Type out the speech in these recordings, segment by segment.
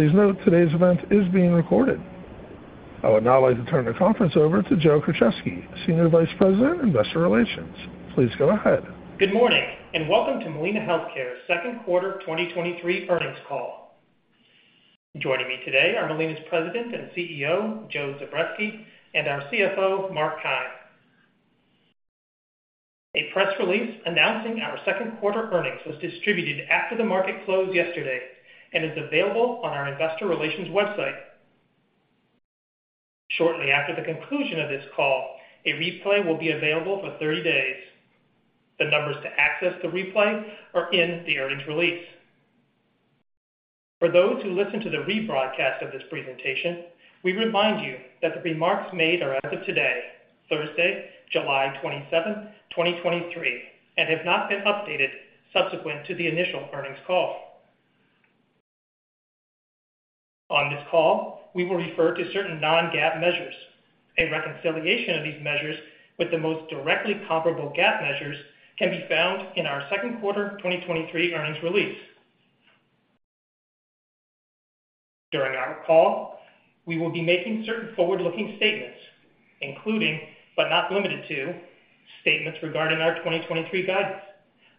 Please note, today's event is being recorded. I would now like to turn the conference over to Joe Krocheski, Senior Vice President, Investor Relations. Please go ahead. Good morning, welcome to Molina Healthcare's Q2 2023 Earnings Call. Joining me today are Molina's President and CEO, Joe Zubretsky, and our CFO, Mark Keim. A press release announcing our Q2 earnings was distributed after the market closed yesterday and is available on our investor relations website. Shortly after the conclusion of this call, a replay will be available for 30 days. The numbers to access the replay are in the earnings release. For those who listen to the rebroadcast of this presentation, we remind you that the remarks made are as of today, Thursday, July 27th, 2023, and have not been updated subsequent to the initial earnings call. On this call, we will refer to certain non-GAAP measures. A reconciliation of these measures with the most directly comparable GAAP measures can be found in our Q2 2023 earnings release. During our call, we will be making certain forward-looking statements, including, but not limited to, statements regarding our 2023 guidance,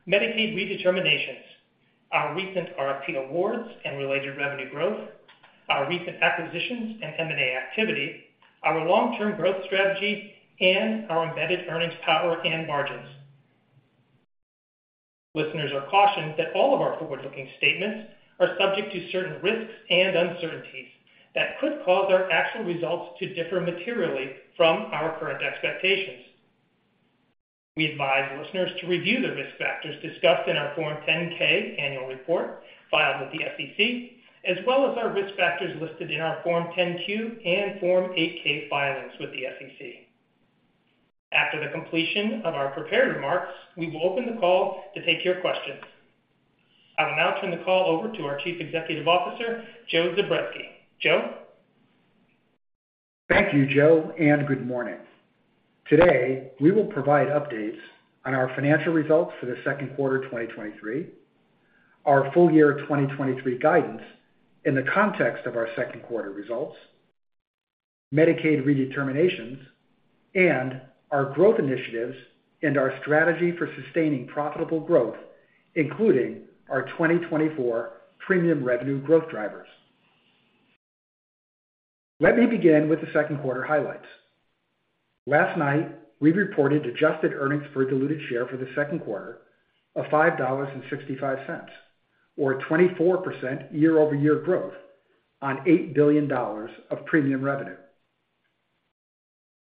Medicaid redeterminations, our recent RFP awards and related revenue growth, our recent acquisitions and M&A activity, our long-term growth strategy, and our embedded earnings power and margins. Listeners are cautioned that all of our forward-looking statements are subject to certain risks and uncertainties that could cause our actual results to differ materially from our current expectations. We advise listeners to review the risk factors discussed in our Form 10-K annual report filed with the SEC, as well as our risk factors listed in our Form 10-Q and Form 8-K filings with the SEC. After the completion of our prepared remarks, we will open the call to take your questions. I will now turn the call over to our Chief Executive Officer, Joe Zubretsky. Joe? Thank you, Joe, and good morning. Today, we will provide updates on our financial results for the Q2 2023, our full year 2023 guidance in the context of our Q2 results, Medicaid redeterminations, and our growth initiatives and our strategy for sustaining profitable growth, including our 2024 premium revenue growth drivers. Let me begin with the Q2 highlights. Last night, we reported adjusted earnings per diluted share for the Q2 of $5.65, or 24% year-over-year growth on $8 billion of premium revenue.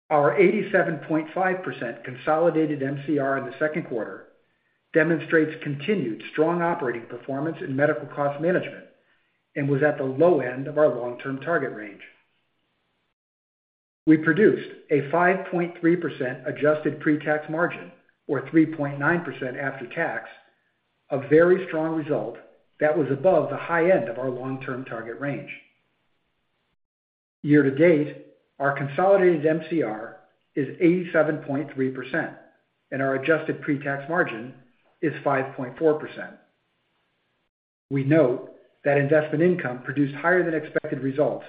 Our 87.5% consolidated MCR in the Q2 demonstrates continued strong operating performance in medical cost management and was at the low end of our long-term target range. We produced a 5.3% adjusted pre-tax margin, or 3.9% after tax, a very strong result that was above the high end of our long-term target range. Year to date, our consolidated MCR is 87.3%. Our adjusted pre-tax margin is 5.4%. We note that investment income produced higher than expected results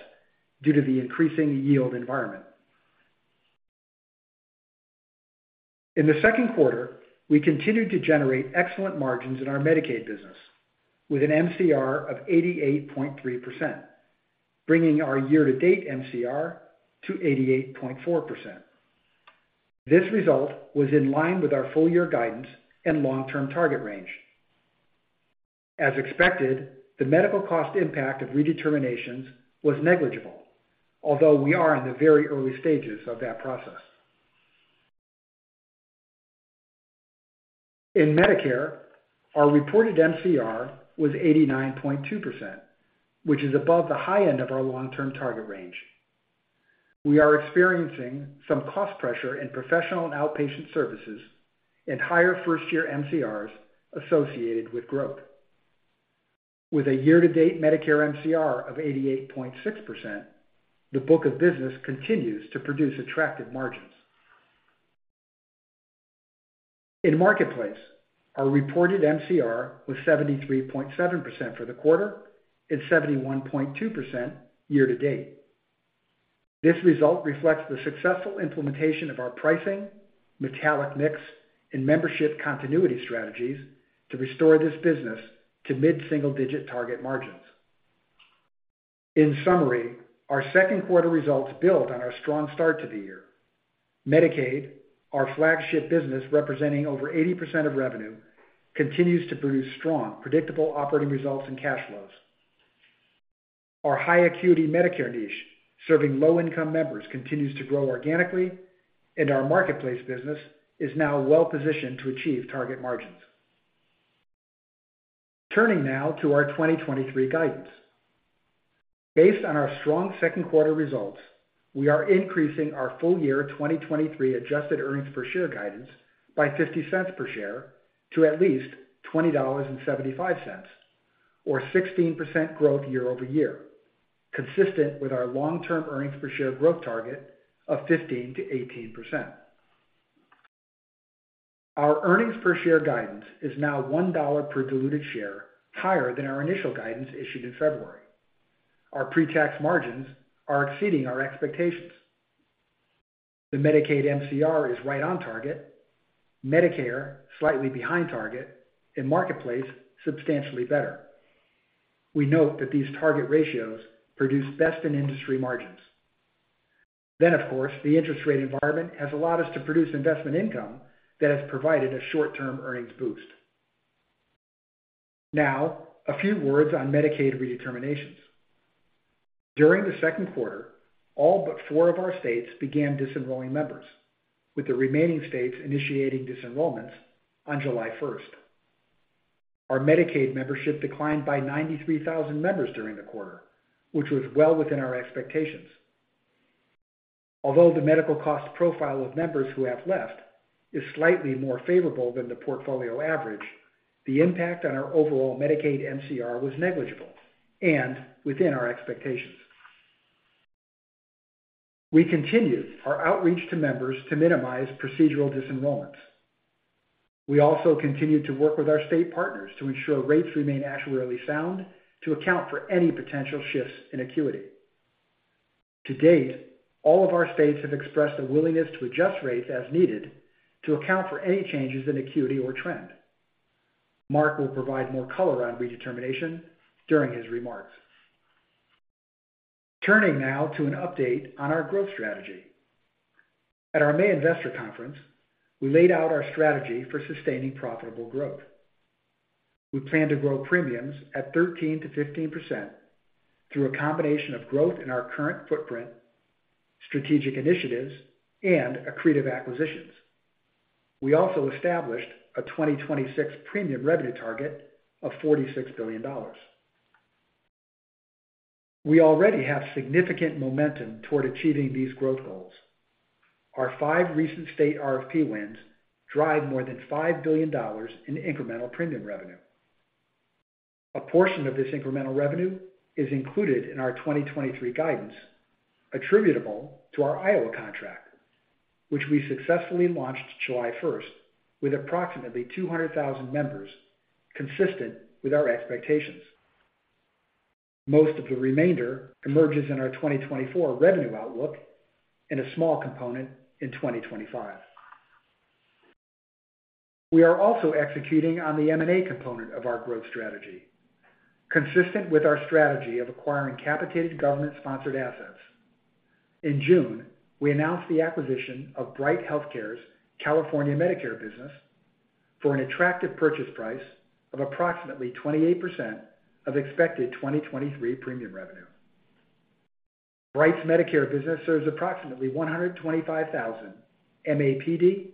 due to the increasing yield environment. In the Q2, we continued to generate excellent margins in our Medicaid business with an MCR of 88.3%, bringing our year-to-date MCR to 88.4%. This result was in line with our full year guidance and long-term target range. As expected, the medical cost impact of redeterminations was negligible, although we are in the very early stages of that process. In Medicare, our reported MCR was 89.2%, which is above the high end of our long-term target range. We are experiencing some cost pressure in professional and outpatient services and higher first-year MCRs associated with growth. With a year-to-date Medicare MCR of 88.6%, the book of business continues to produce attractive margins. In Marketplace, our reported MCR was 73.7% for the quarter and 71.2% year-to-date. This result reflects the successful implementation of our pricing, metallic mix, and membership continuity strategies to restore this business to mid-single digit target margins. In summary, our Q2 results build on our strong start to the year. Medicaid, our flagship business, representing over 80% of revenue, continues to produce strong, predictable operating results and cash flows. Our high acuity Medicare niche, serving low-income members, continues to grow organically. Our Marketplace business is now well positioned to achieve target margins. Turning now to our 2023 guidance. Based on our strong second quarter results, we are increasing our full year 2023 adjusted earnings per share guidance by $0.50 per share to at least $20.75, or 16% growth year-over-year, consistent with our long-term earnings per share growth target of 15%-18%. Our earnings per share guidance is now $1 per diluted share, higher than our initial guidance issued in February. Our pre-tax margins are exceeding our expectations. The Medicaid MCR is right on target, Medicare slightly behind target, and Marketplace substantially better. We note that these target ratios produce best in industry margins. Of course, the interest rate environment has allowed us to produce investment income that has provided a short-term earnings boost. A few words on Medicaid redeterminations. During the Q2, all but four of our states began disenrolling members, with the remaining states initiating disenrollments on July 1st. Our Medicaid membership declined by 93,000 members during the quarter, which was well within our expectations. Although the medical cost profile of members who have left is slightly more favorable than the portfolio average, the impact on our overall Medicaid MCR was negligible and within our expectations. We continued our outreach to members to minimize procedural disenrollments. We also continued to work with our state partners to ensure rates remain actuarially sound to account for any potential shifts in acuity. To date, all of our states have expressed a willingness to adjust rates as needed to account for any changes in acuity or trend. Mark will provide more color on redetermination during his remarks. Turning now to an update on our growth strategy. At our May investor conference, we laid out our strategy for sustaining profitable growth. We plan to grow premiums at 13%-15% through a combination of growth in our current footprint, strategic initiatives, and accretive acquisitions. We also established a 2026 premium revenue target of $46 billion. We already have significant momentum toward achieving these growth goals. Our five recent state RFP wins drive more than $5 billion in incremental premium revenue. A portion of this incremental revenue is included in our 2023 guidance, attributable to our Iowa contract, which we successfully launched July 1st, with approximately 200,000 members, consistent with our expectations. Most of the remainder emerges in our 2024 revenue outlook and a small component in 2025. We are also executing on the M&A component of our growth strategy, consistent with our strategy of acquiring capitated government-sponsored assets. In June, we announced the acquisition of Bright Healthcare's California Medicare business for an attractive purchase price of approximately 28% of expected 2023 premium revenue. Bright's Medicare business serves approximately 125,000 MAPD,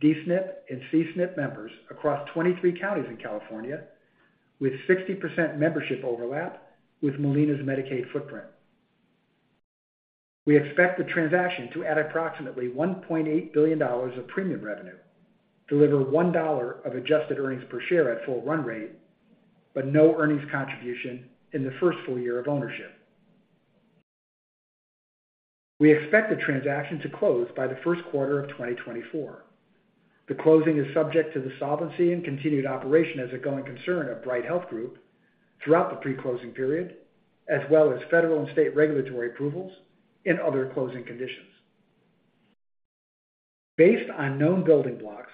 D-SNP, and C-SNP members across 23 counties in California, with 60% membership overlap with Molina's Medicaid footprint. We expect the transaction to add approximately $1.8 billion of premium revenue, deliver $1 of adjusted earnings per share at full run rate, but no earnings contribution in the first full year of ownership. We expect the transaction to close by the Q1 of 2024. The closing is subject to the solvency and continued operation as a going concern of Bright Health Group throughout the pre-closing period, as well as federal and state regulatory approvals and other closing conditions. Based on known building blocks,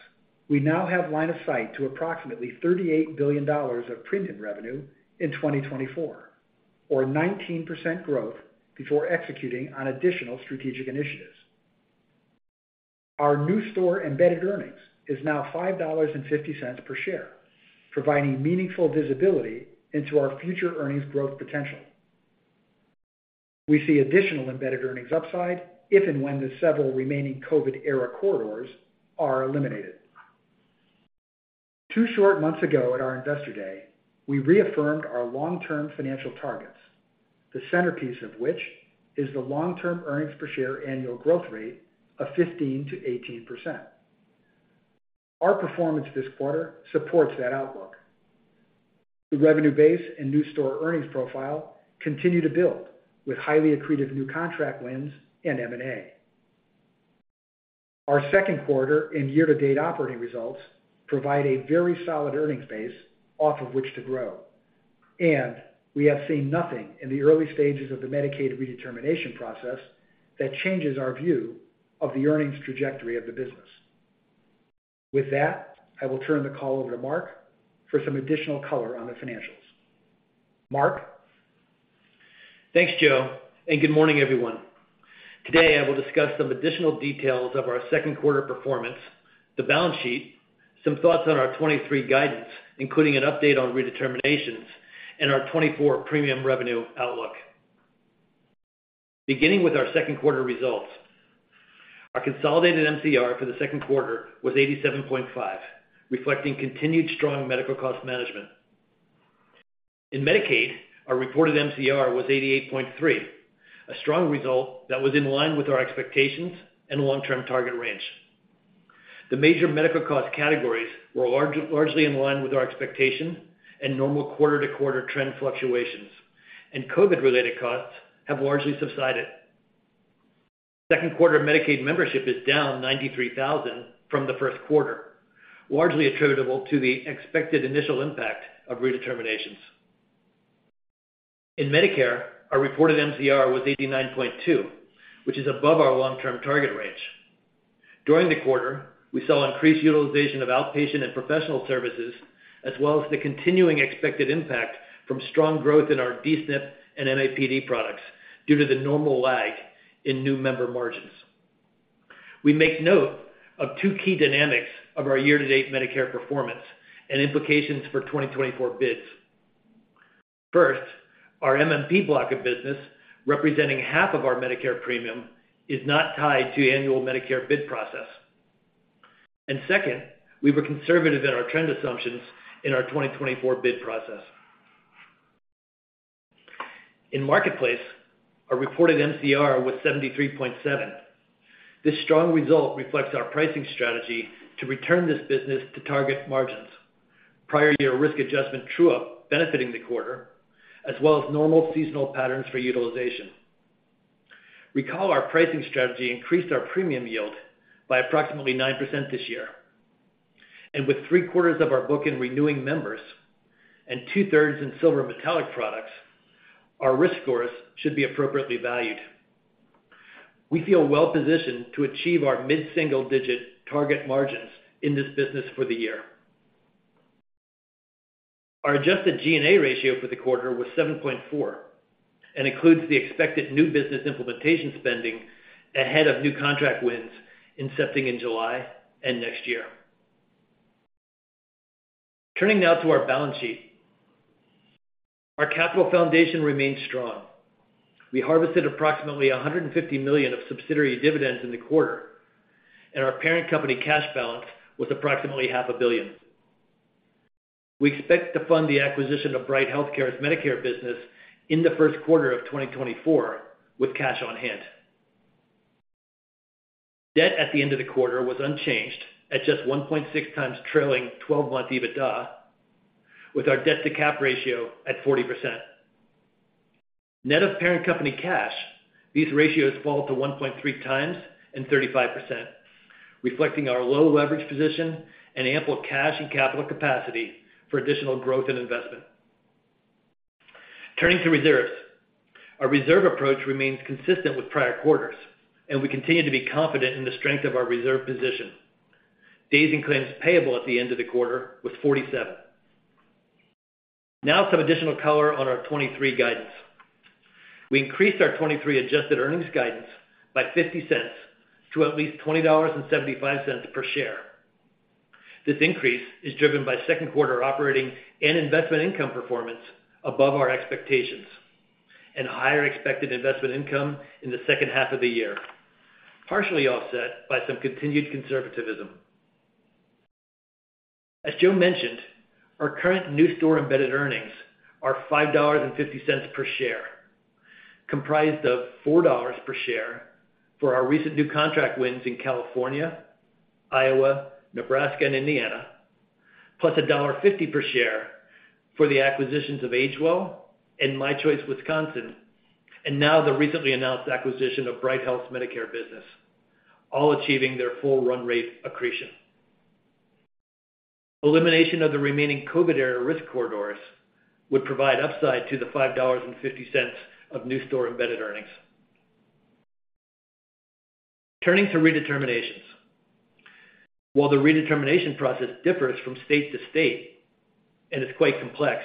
we now have line of sight to approximately $38 billion of premium revenue in 2024, or 19% growth before executing on additional strategic initiatives. Our new store embedded earnings is now $5.50 per share, providing meaningful visibility into our future earnings growth potential. We see additional embedded earnings upside if and when the several remaining COVID-era corridors are eliminated. Two short months ago, at our Investor Day, we reaffirmed our long-term financial targets, the centerpiece of which is the long-term earnings per share annual growth rate of 15%-18%. Our performance this quarter supports that outlook. The revenue base and new store earnings profile continue to build with highly accretive new contract wins and M&A. Our Q2 and year-to-date operating results provide a very solid earnings base off of which to grow, and we have seen nothing in the early stages of the Medicaid redetermination process that changes our view of the earnings trajectory of the business. With that, I will turn the call over to Mark for some additional color on the financials. Mark? Thanks, Joe. Good morning, everyone. Today, I will discuss some additional details of our Q2 performance, the balance sheet, some thoughts on our 2023 guidance, including an update on redeterminations and our 2024 premium revenue outlook. Beginning with our Q2 results, our consolidated MCR for the Q2 was 87.5%, reflecting continued strong medical cost management. In Medicaid, our reported MCR was 88.3%, a strong result that was in line with our expectations and long-term target range. The major medical cost categories were largely in line with our expectations and normal quarter-to-quarter trend fluctuations. COVID-related costs have largely subsided. Q2 Medicaid membership is down 93,000 from the Q1, largely attributable to the expected initial impact of redeterminations. In Medicare, our reported MCR was 89.2%, which is above our long-term target range. During the quarter, we saw increased utilization of outpatient and professional services, as well as the continuing expected impact from strong growth in our D-SNP and MIP products due to the normal lag in new member margins. We make note of two key dynamics of our year-to-date Medicare performance and implications for 2024 bids. First, our MMP block of business, representing half of our Medicare premium, is not tied to annual Medicare bid process. Second, we were conservative in our trend assumptions in our 2024 bid process. In Marketplace, our reported MCR was 73.7. This strong result reflects our pricing strategy to return this business to target margins. Prior year risk adjustment true up benefiting the quarter, as well as normal seasonal patterns for utilization. Recall our pricing strategy increased our premium yield by approximately 9% this year, and with three quarters of our book in renewing members and two-thirds in Silver metallic products, our risk scores should be appropriately valued. We feel well positioned to achieve our mid-single-digit target margins in this business for the year. Our adjusted G&A ratio for the quarter was 7.4, and includes the expected new business implementation spending ahead of new contract wins, incepting in July and next year. Turning now to our balance sheet. Our capital foundation remains strong. We harvested approximately $150 million of subsidiary dividends in the quarter, and our parent company cash balance was approximately half a billion. We expect to fund the acquisition of Bright Healthcare's Medicare business in the Q1 of 2024 with cash on hand. Debt at the end of the quarter was unchanged at just 1.6x trailing 12-month EBITDA, with our debt-to-cap ratio at 40%. Net of parent company cash, these ratios fall to 1.3x and 35%, reflecting our low leverage position and ample cash and capital capacity for additional growth and investment. Turning to reserves. Our reserve approach remains consistent with prior quarters, and we continue to be confident in the strength of our reserve position. Days in claims payable at the end of the quarter was 47. Now some additional color on our 2023 guidance. We increased our 2023 adjusted earnings guidance by $0.50 to at least $20.75 per share. This increase is driven by Q2 operating and investment income performance above our expectations, and higher expected investment income in the second half of the year, partially offset by some continued conservativism. As Joe mentioned, our current new store embedded earnings are $5.50 per share, comprised of $4 per share for our recent new contract wins in California, Iowa, Nebraska, and Indiana, plus $1.50 per share for the acquisitions of AgeWell and My Choice Wisconsin, and now the recently announced acquisition of Bright Health's Medicare business, all achieving their full run rate accretion. Elimination of the remaining COVID-era risk corridors would provide upside to the $5.50 of new store embedded earnings. Turning to redeterminations. While the redetermination process differs from state to state and is quite complex,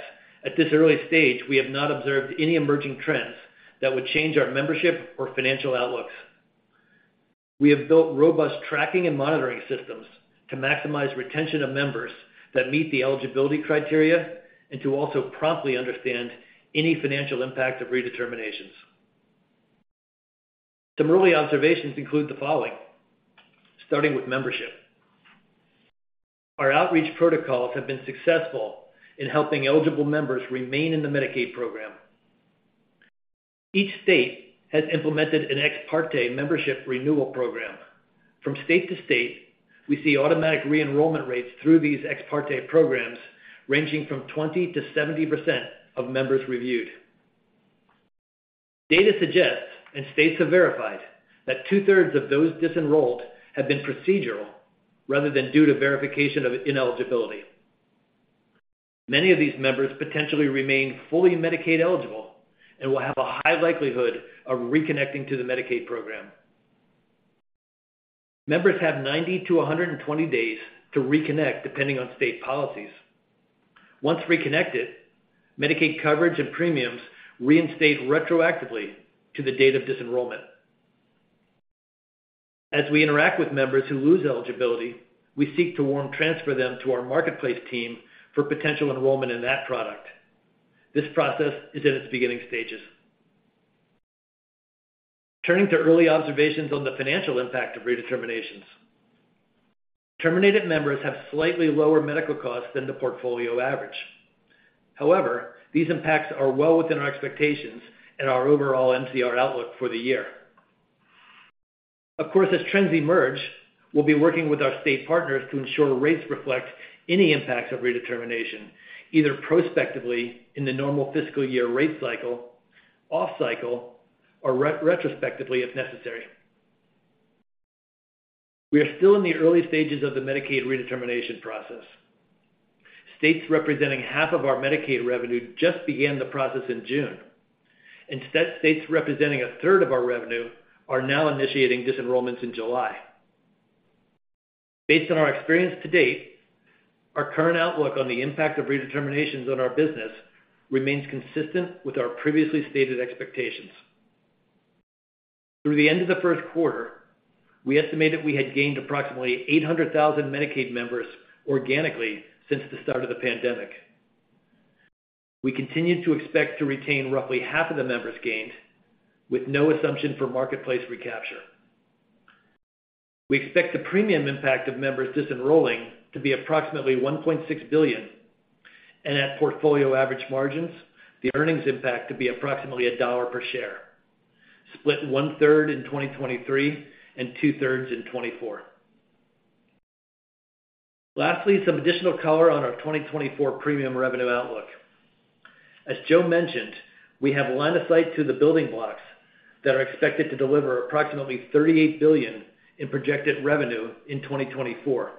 at this early stage, we have not observed any emerging trends that would change our membership or financial outlooks. We have built robust tracking and monitoring systems to maximize retention of members that meet the eligibility criteria and to also promptly understand any financial impact of redeterminations. Some early observations include the following, starting with membership. Our outreach protocols have been successful in helping eligible members remain in the Medicaid program. Each state has implemented an ex parte membership renewal program. From state to state, we see automatic re-enrollment rates through these ex parte programs ranging from 20%-70% of members reviewed. Data suggests, and states have verified, that two-thirds of those disenrolled have been procedural rather than due to verification of ineligibility. Many of these members potentially remain fully Medicaid-eligible and will have a high likelihood of reconnecting to the Medicaid program. Members have 90 to 120 days to reconnect, depending on state policies. Once reconnected, Medicaid coverage and premiums reinstate retroactively to the date of disenrollment. As we interact with members who lose eligibility, we seek to warm transfer them to our Marketplace team for potential enrollment in that product. This process is in its beginning stages. Turning to early observations on the financial impact of redeterminations. Terminated members have slightly lower medical costs than the portfolio average. These impacts are well within our expectations and our overall MCR outlook for the year. Of course, as trends emerge, we'll be working with our state partners to ensure rates reflect any impacts of redetermination, either prospectively in the normal fiscal year rate cycle, off cycle, or retrospectively, if necessary. We are still in the early stages of the Medicaid redetermination process. States representing half of our Medicaid revenue just began the process in June, and states representing a third of our revenue are now initiating disenrollments in July. Based on our experience to date, our current outlook on the impact of redeterminations on our business remains consistent with our previously stated expectations. Through the end of the first quarter, we estimated we had gained approximately 800,000 Medicaid members organically since the start of the pandemic. We continued to expect to retain roughly half of the members gained, with no assumption for Marketplace recapture. We expect the premium impact of members disenrolling to be approximately $1.6 billion, and at portfolio average margins, the earnings impact to be approximately $1 per share, split one third in 2023 and two-thirds in 2024. Lastly, some additional color on our 2024 premium revenue outlook. As Joe mentioned, we have line of sight to the building blocks that are expected to deliver approximately $38 billion in projected revenue in 2024,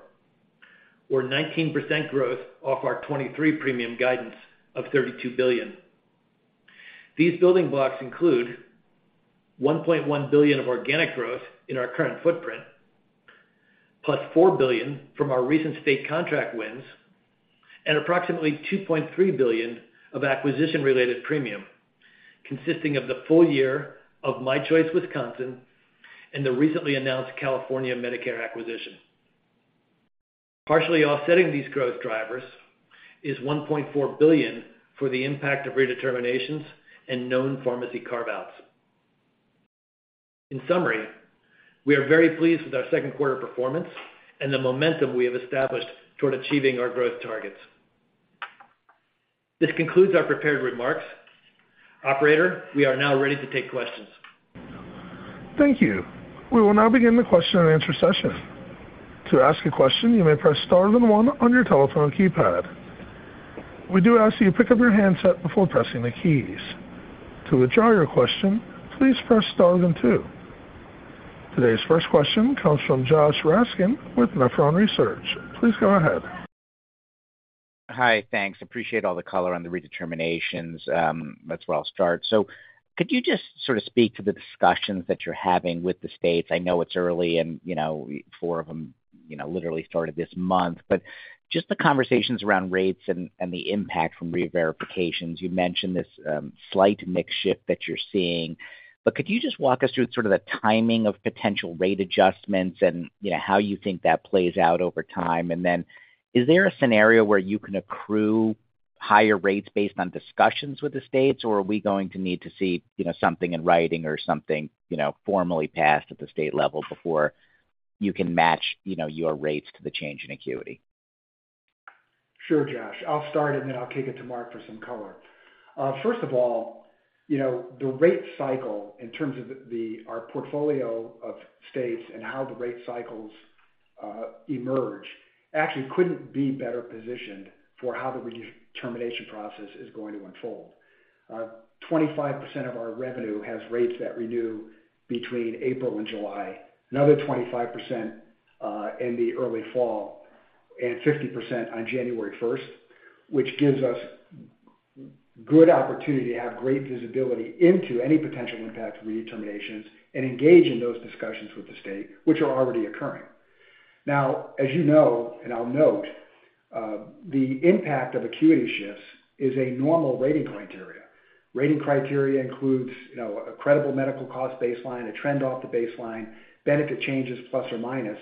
or 19% growth off our 2023 premium guidance of $32 billion. These building blocks include $1.1 billion of organic growth in our current footprint, plus $4 billion from our recent state contract wins, and approximately $2.3 billion of acquisition-related premium, consisting of the full year of My Choice Wisconsin and the recently announced California Medicare acquisition. Partially offsetting these growth drivers is $1.4 billion for the impact of redeterminations and known pharmacy carve-outs. In summary, we are very pleased with our Q2 performance and the momentum we have established toward achieving our growth targets. This concludes our prepared remarks. Operator, we are now ready to take questions. Thank you. We will now begin the question and answer session. To ask a question, you may press star then one on your telephone keypad. We do ask that you pick up your handset before pressing the keys. To withdraw your question, please press star then two. Today's first question comes from Joshua Raskin with Nephron Research. Please go ahead. Hi. Thanks. Appreciate all the color on the redeterminations. That's where I'll start. Could you just sort of speak to the discussions that you're having with the states? I know it's early and, you know, four of them, you know, literally started this month, but just the conversations around rates and the impact from reverifications. You mentioned this slight mix shift that you're seeing, but could you just walk us through sort of the timing of potential rate adjustments and, you know, how you think that plays out over time? Is there a scenario where you can accrue higher rates based on discussions with the states, or are we going to need to see, you know, something in writing or something, you know, formally passed at the state level before you can match, you know, your rates to the change in acuity? Sure, Josh. I'll start, and then I'll kick it to Mark for some color. First of all, you know, the rate cycle, in terms of the, our portfolio of states and how the rate cycles emerge, actually couldn't be better positioned for how the redetermination process is going to unfold. 25% of our revenue has rates that renew between April and July, another 25% in the early fall, and 50% on January 1st, which gives us good opportunity to have great visibility into any potential impact of redeterminations and engage in those discussions with the state, which are already occurring. As you know, and I'll note, the impact of acuity shifts is a normal rating criteria. Rating criteria includes, you know, a credible medical cost baseline, a trend off the baseline, benefit changes, plus or minus,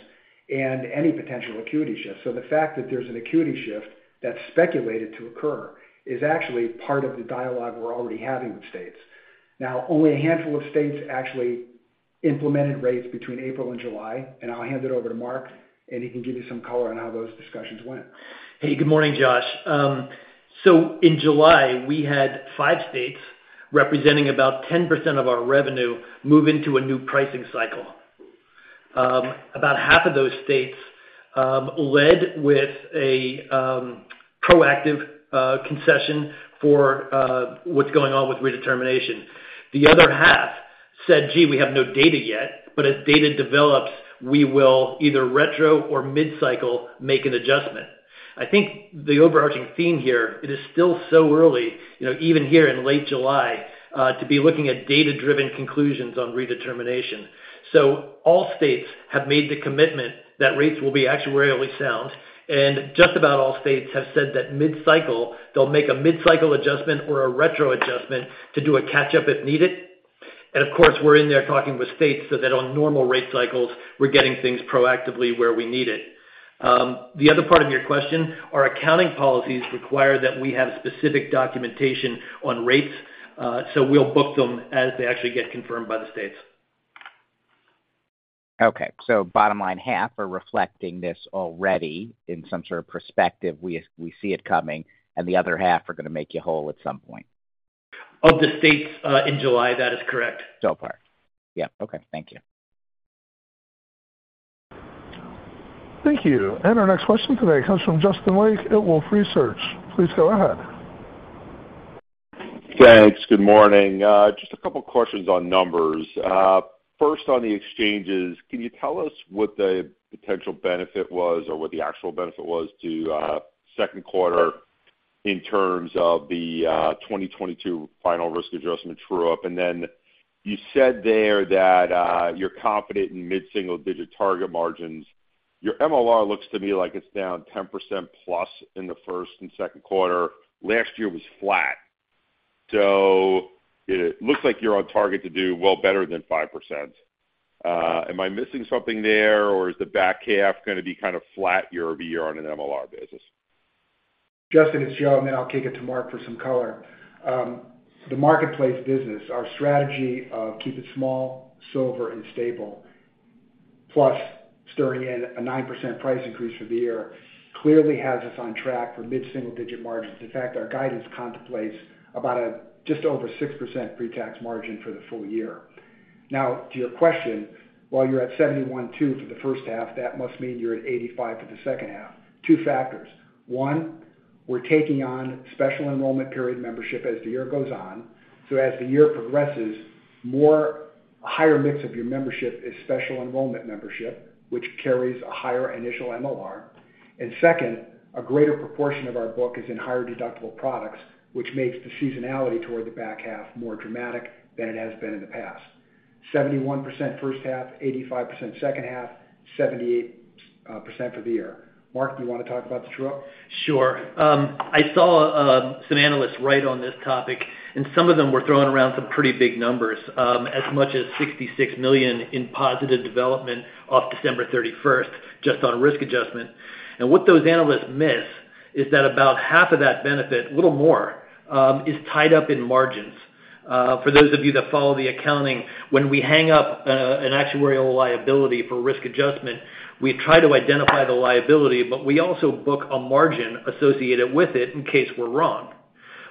and any potential acuity shifts. The fact that there's an acuity shift that's speculated to occur is actually part of the dialogue we're already having with states. Only a handful of states actually implemented rates between April and July, and I'll hand it over to Mark, and he can give you some color on how those discussions went. Hey, good morning, Josh. In July, we had five states, representing about 10% of our revenue, move into a new pricing cycle. About half of those states, led with a proactive concession for what's going on with redetermination. The other half said, "Gee, we have no data yet, but as data develops, we will either retro or mid-cycle, make an adjustment." I think the overarching theme here, it is still so early, you know, even here in late July, to be looking at data-driven conclusions on redetermination. All states have made the commitment that rates will be actuarially sound, and just about all states have said that mid-cycle, they'll make a mid-cycle adjustment or a retro adjustment to do a catch-up if needed. Of course, we're in there talking with states so that on normal rate cycles, we're getting things proactively where we need it. The other part of your question, our accounting policies require that we have specific documentation on rates, so we'll book them as they actually get confirmed by the states. Okay. Bottom line, half are reflecting this already in some sort of perspective, we see it coming, and the other half are gonna make you whole at some point? Of the states, in July, that is correct. That part. Yeah, okay. Thank you. Thank you. Our next question today comes from Justin Lake at Wolfe Research. Please go ahead. Thanks. Good morning. Just a couple questions on numbers. First, on the exchanges, can you tell us what the potential benefit was or what the actual benefit was to, Q2 in terms of the, 2022 final risk adjustment true up? Then you said there that, you're confident in mid-single digit target margins. Your MLR looks to me like it's down 10%+ in the first and second quarter. Last year was flat. It looks like you're on target to do well better than 5%. Am I missing something there, or is the back half gonna be kind of flat year-over-year on an MLR basis? Justin, it's Joe, then I'll kick it to Mark for some color. The Marketplace business, our strategy of keep it small, Silver, and stable, plus stirring in a 9% price increase for the year, clearly has us on track for mid-single-digit margins. In fact, our guidance contemplates about a just over 6% pretax margin for the full year. To your question, while you're at 71.2% for the first half, that must mean you're at 85% for the second half. Two factors. One, we're taking on special enrollment period membership as the year goes on. As the year progresses, more higher mix of your membership is special enrollment membership, which carries a higher initial MLR. Second, a greater proportion of our book is in higher deductible products, which makes the seasonality toward the back half more dramatic than it has been in the past. 71% first half, 85% second half, 78% for the year. Mark, do you want to talk about the true up? Sure. I saw some analysts write on this topic, and some of them were throwing around some pretty big numbers, as much as $66 million in positive development off December 31st, just on risk adjustment. What those analysts miss is that about half of that benefit, a little more, is tied up in margins. For those of you that follow the accounting, when we hang up an actuarial liability for risk adjustment, we try to identify the liability, but we also book a margin associated with it in case we're wrong.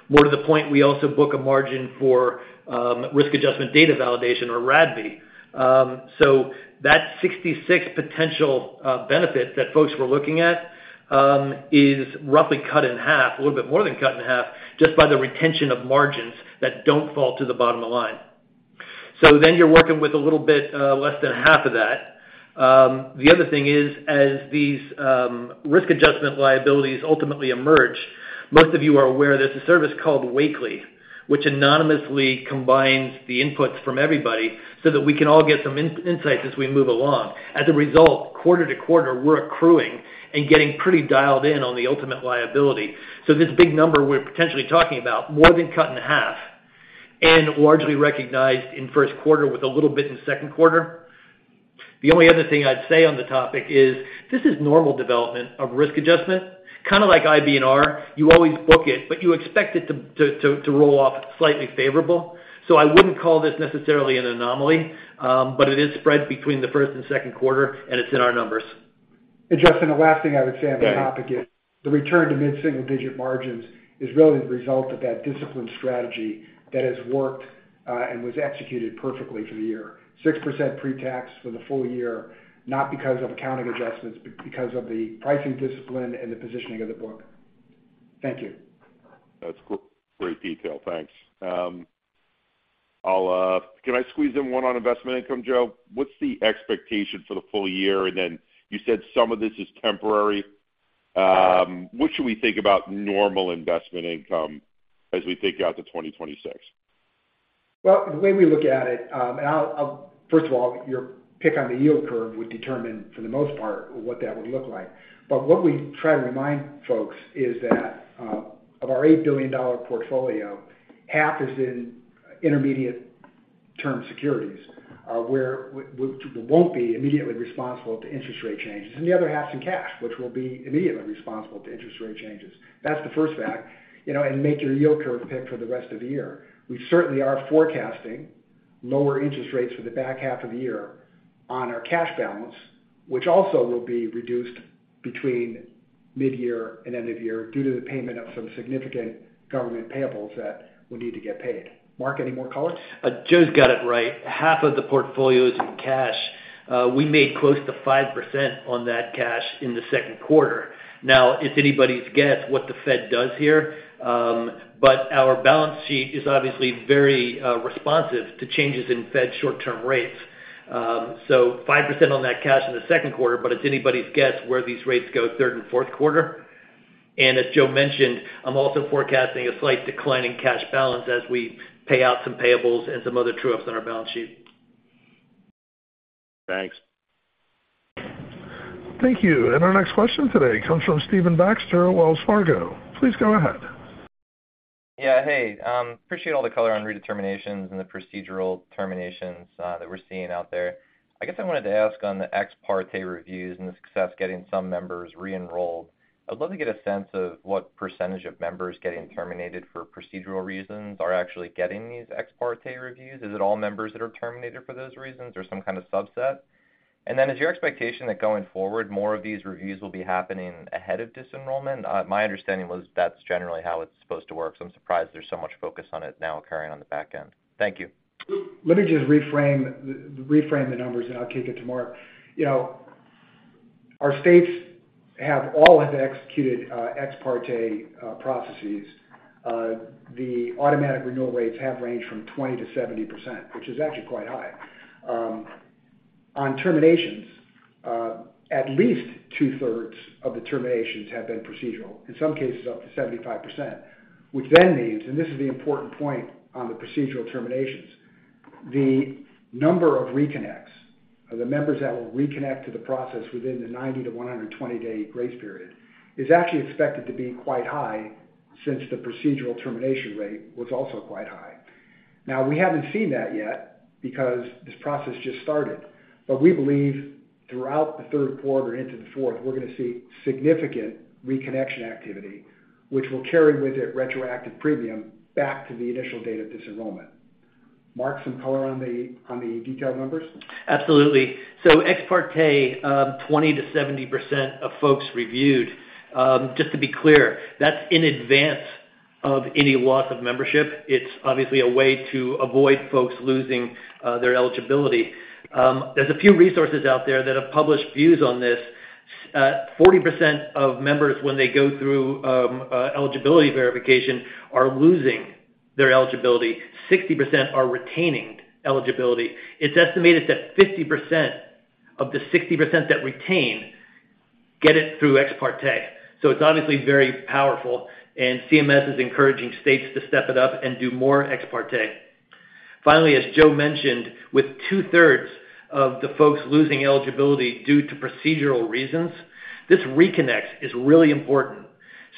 More to the point, we also book a margin for risk adjustment data validation or RADV. That 66 potential benefit that folks were looking at is roughly cut in half, a little bit more than cut in half, just by the retention of margins that don't fall to the bottom of the line. You're working with a little bit less than half of that. The other thing is, as these risk adjustment liabilities ultimately emerge, most of you are aware there's a service called Wakely, which anonymously combines the inputs from everybody so that we can all get some insights as we move along. As a result, quarter to quarter, we're accruing and getting pretty dialed in on the ultimate liability. This big number we're potentially talking about, more than cut in half and largely recognized in Q1 with a little bit in Q2. The only other thing I'd say on the topic is, this is normal development of risk adjustment. Kind of like IBNR, you always book it, but you expect it to roll off slightly favorable. I wouldn't call this necessarily an anomaly, but it is spread between the first and second quarter, and it's in our numbers. Justin, the last thing I would say on the topic is the return to mid-single digit margins is really the result of that disciplined strategy that has worked, and was executed perfectly for the year. 6% pretax for the full year, not because of accounting adjustments, but because of the pricing discipline and the positioning of the book. Thank you. That's great detail. Thanks. I'll Can I squeeze in one on investment income, Joe? What's the expectation for the full year? You said some of this is temporary. What should we think about normal investment income as we think out to 2026? The way we look at it, first of all, your pick on the yield curve would determine, for the most part, what that would look like. What we try to remind folks is that of our $8 billion portfolio, half is in intermediate-term securities, where won't be immediately responsible to interest rate changes, and the other half's in cash, which will be immediately responsible to interest rate changes. That's the first fact, you know, make your yield curve pick for the rest of the year. We certainly are forecasting lower interest rates for the back half of the year on our cash balance, which also will be reduced between midyear and end of year due to the payment of some significant government payables that will need to get paid. Mark, any more color? Joe's got it right. Half of the portfolio is in cash. We made close to 5% on that cash in the Q2. It's anybody's guess what the Fed does here, but our balance sheet is obviously very responsive to changes in Fed short-term rates. 5% on that cash in the Q2, but it's anybody's guess where these rates go third and fourth quarter. As Joe mentioned, I'm also forecasting a slight decline in cash balance as we pay out some payables and some other true ups on our balance sheet. Thanks. Thank you. Our next question today comes from Stephen Baxter at Wells Fargo. Please go ahead. Yeah. Hey, appreciate all the color on redeterminations and the procedural terminations that we're seeing out there. I guess I wanted to ask on the ex parte reviews and the success getting some members re-enrolled. I'd love to get a sense of what percentage of members getting terminated for procedural reasons are actually getting these ex parte reviews. Is it all members that are terminated for those reasons, or some kind of subset? Is your expectation that going forward, more of these reviews will be happening ahead of disenrollment? My understanding was that's generally how it's supposed to work, so I'm surprised there's so much focus on it now occurring on the back end. Thank you. Let me just reframe the numbers, and I'll kick it to Mark. You know, our states have all executed ex parte processes. The automatic renewal rates have ranged from 20%-70%, which is actually quite high. On terminations, at least two-thirds of the terminations have been procedural, in some cases, up to 75%, which then means, and this is the important point on the procedural terminations, the number of reconnects, or the members that will reconnect to the process within the 90-120 day grace period, is actually expected to be quite high since the procedural termination rate was also quite high. Now, we haven't seen that yet because this process just started, but we believe throughout the Q3 into the fourth, we're gonna see significant reconnection activity, which will carry with it retroactive premium back to the initial date of disenrollment. Mark, some color on the detailed numbers? Absolutely. Ex parte, 20%-70% of folks reviewed. Just to be clear, that's in advance of any loss of membership. It's obviously a way to avoid folks losing their eligibility. There's a few resources out there that have published views on this. 40% of members, when they go through eligibility verification, are losing their eligibility. 60% are retaining eligibility. It's estimated that 50% of the 60% that retain, get it through ex parte. It's obviously very powerful, and CMS is encouraging states to step it up and do more ex parte. Finally, as Joe mentioned, with two-thirds of the folks losing eligibility due to procedural reasons, this reconnect is really important.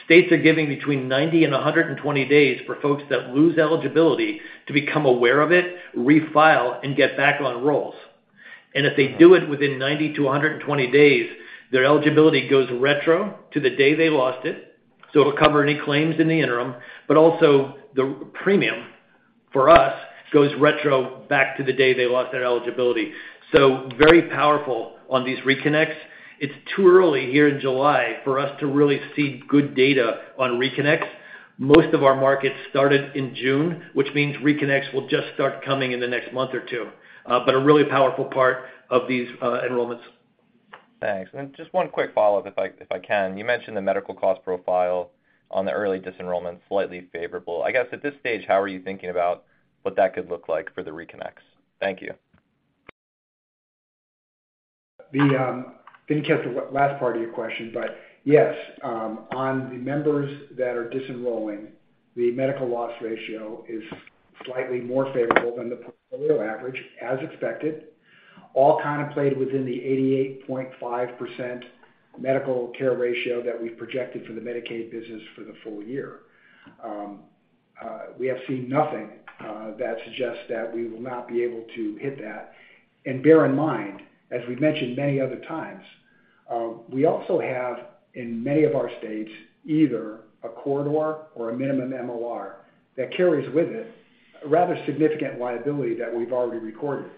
States are giving between 90 and 120 days for folks that lose eligibility to become aware of it, refile, and get back on rolls. If they do it within 90-120 days, their eligibility goes retro to the day they lost it, so it'll cover any claims in the interim, but also the premium, for us, goes retro back to the day they lost their eligibility. Very powerful on these reconnects. It's too early here in July for us to really see good data on reconnects. Most of our markets started in June, which means reconnects will just start coming in the next month or two, but a really powerful part of these enrollments. Thanks. Just one quick follow-up, if I can? You mentioned the medical cost profile on the early disenrollment, slightly favorable. I guess, at this stage, how are you thinking about what that could look like for the reconnects? Thank you. Didn't catch the last part of your question. Yes, on the members that are disenrolling, the medical loss ratio is slightly more favorable than the portfolio average, as expected, all contemplated within the 88.5% medical care ratio that we've projected for the Medicaid business for the full year. We have seen nothing that suggests that we will not be able to hit that. Bear in mind, as we've mentioned many other times, we also have, in many of our states, either a corridor or a minimum MLR that carries with it a rather significant liability that we've already recorded.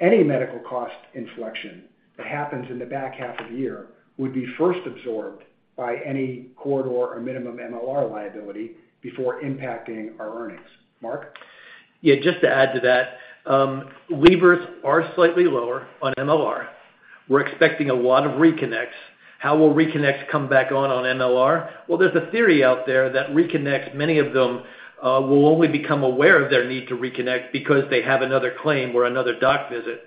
Any medical cost inflection that happens in the back half of the year would be first absorbed by any corridor or minimum MLR liability before impacting our earnings. Mark? Just to add to that, levers are slightly lower on MLR. We're expecting a lot of reconnects. How will reconnects come back on MLR? There's a theory out there that reconnects, many of them, will only become aware of their need to reconnect because they have another claim or another doc visit,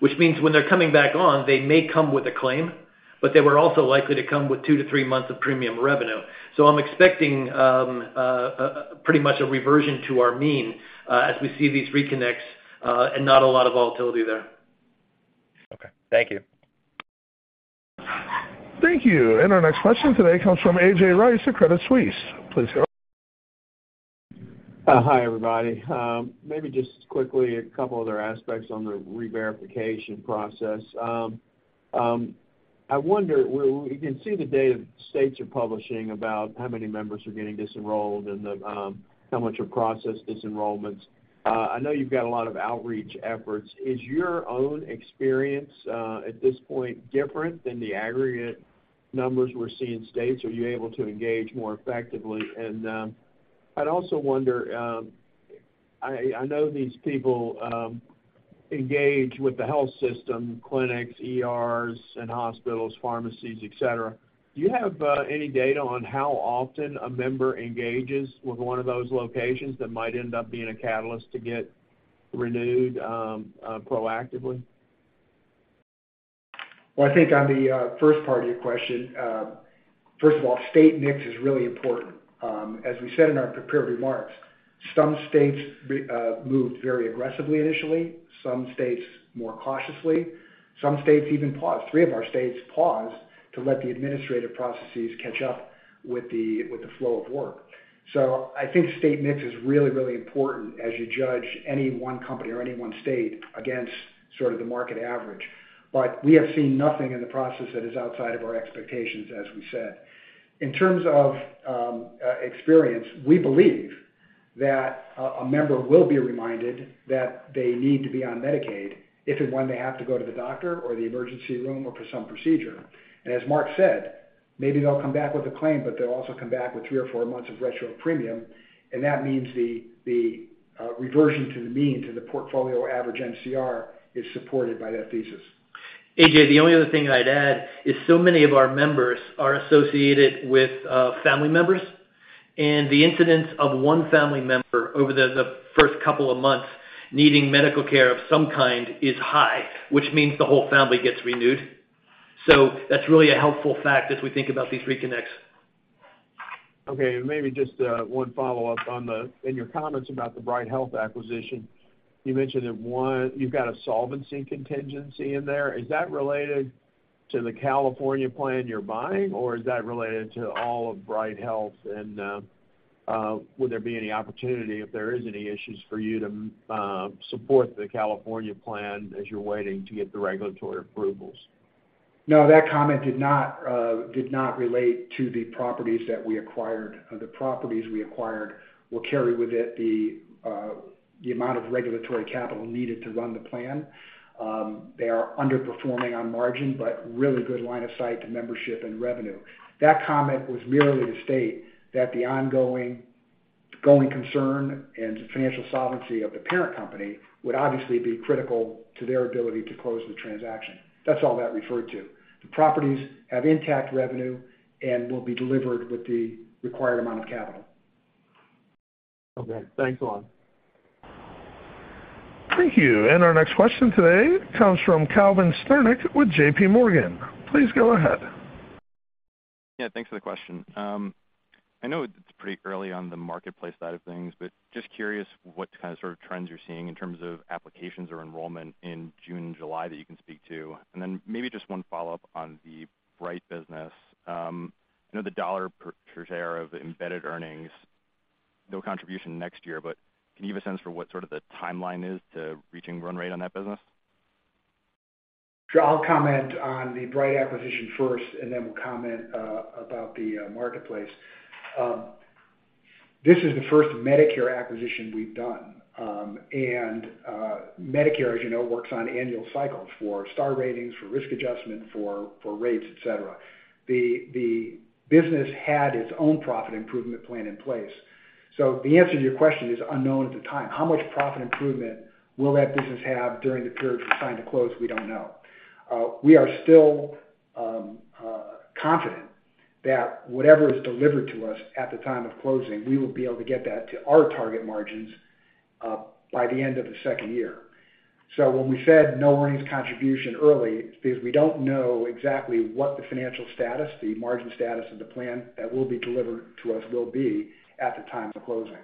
which means when they're coming back on, they may come with a claim, but they were also likely to come with two to three months of premium revenue. I'm expecting pretty much a reversion to our mean, as we see these reconnects, and not a lot of volatility there. Okay. Thank you. Thank you. Our next question today comes from A.J. Rice at Credit Suisse. Please go. Hi, everybody. Maybe just quickly, a couple other aspects on the reverification process. I wonder, we can see the data states are publishing about how many members are getting disenrolled and the how much are processed disenrollments. I know you've got a lot of outreach efforts. Is your own experience at this point, different than the aggregate numbers we're seeing states? Are you able to engage more effectively? I'd also wonder, I know these people engage with the health system, clinics, ERs and hospitals, pharmacies, et cetera. Do you have any data on how often a member engages with one of those locations that might end up being a catalyst to get renewed proactively? Well, I think on the first part of your question, first of all, state mix is really important. As we said in our prepared remarks, some states moved very aggressively initially, some states more cautiously, some states even paused. Three of our states paused to let the administrative processes catch up with the flow of work. I think state mix is really, really important as you judge any one company or any one state against sort of the market average. We have seen nothing in the process that is outside of our expectations, as we said. In terms of experience, we believe that a member will be reminded that they need to be on Medicaid if and when they have to go to the doctor or the emergency room or for some procedure. As Mark said, maybe they'll come back with a claim, but they'll also come back with three or four months of retro premium. That means the reversion to the mean, to the portfolio average MCR, is supported by that thesis. A.J., the only other thing I'd add is so many of our members are associated with family members, and the incidence of one family member over the first couple of months needing medical care of some kind is high, which means the whole family gets renewed. That's really a helpful fact as we think about these reconnects. Okay, maybe just one follow-up in your comments about the Bright Health acquisition. You mentioned that, one, you've got a solvency contingency in there. Is that related to the California plan you're buying, or is that related to all of Bright Health? Would there be any opportunity, if there is any issues, for you to support the California plan as you're waiting to get the regulatory approvals? No, that comment did not relate to the properties that we acquired. The properties we acquired will carry with it the amount of regulatory capital needed to run the plan. They are underperforming on margin, but really good line of sight to membership and revenue. That comment was merely to state that the ongoing going concern and financial solvency of the parent company would obviously be critical to their ability to close the transaction. That's all that referred to. The properties have intact revenue and will be delivered with the required amount of capital. Okay, thanks a lot. Thank you. Our next question today comes from Calvin Sternick with JPMorgan. Please go ahead. Yeah, thanks for the question. I know it's pretty early on the Marketplace side of things, but just curious what kind of sort of trends you're seeing in terms of applications or enrollment in June and July that you can speak to? Maybe just one follow-up on the Bright business. I know the dollar per share of the embedded earnings, no contribution next year, but can you give a sense for what sort of the timeline is to reaching run rate on that business? Sure, I'll comment on the Bright acquisition first, and then we'll comment about the Marketplace. This is the first Medicare acquisition we've done. Medicare, as you know, works on annual cycles for Star Ratings, for risk adjustment, for rates, et cetera. The business had its own profit improvement plan in place. The answer to your question is unknown at the time. How much profit improvement will that business have during the period from sign to close? We don't know. We are still confident that whatever is delivered to us at the time of closing, we will be able to get that to our target margins by the end of the second year. When we said no earnings contribution early, it's because we don't know exactly what the financial status, the margin status of the plan that will be delivered to us will be at the time of closing.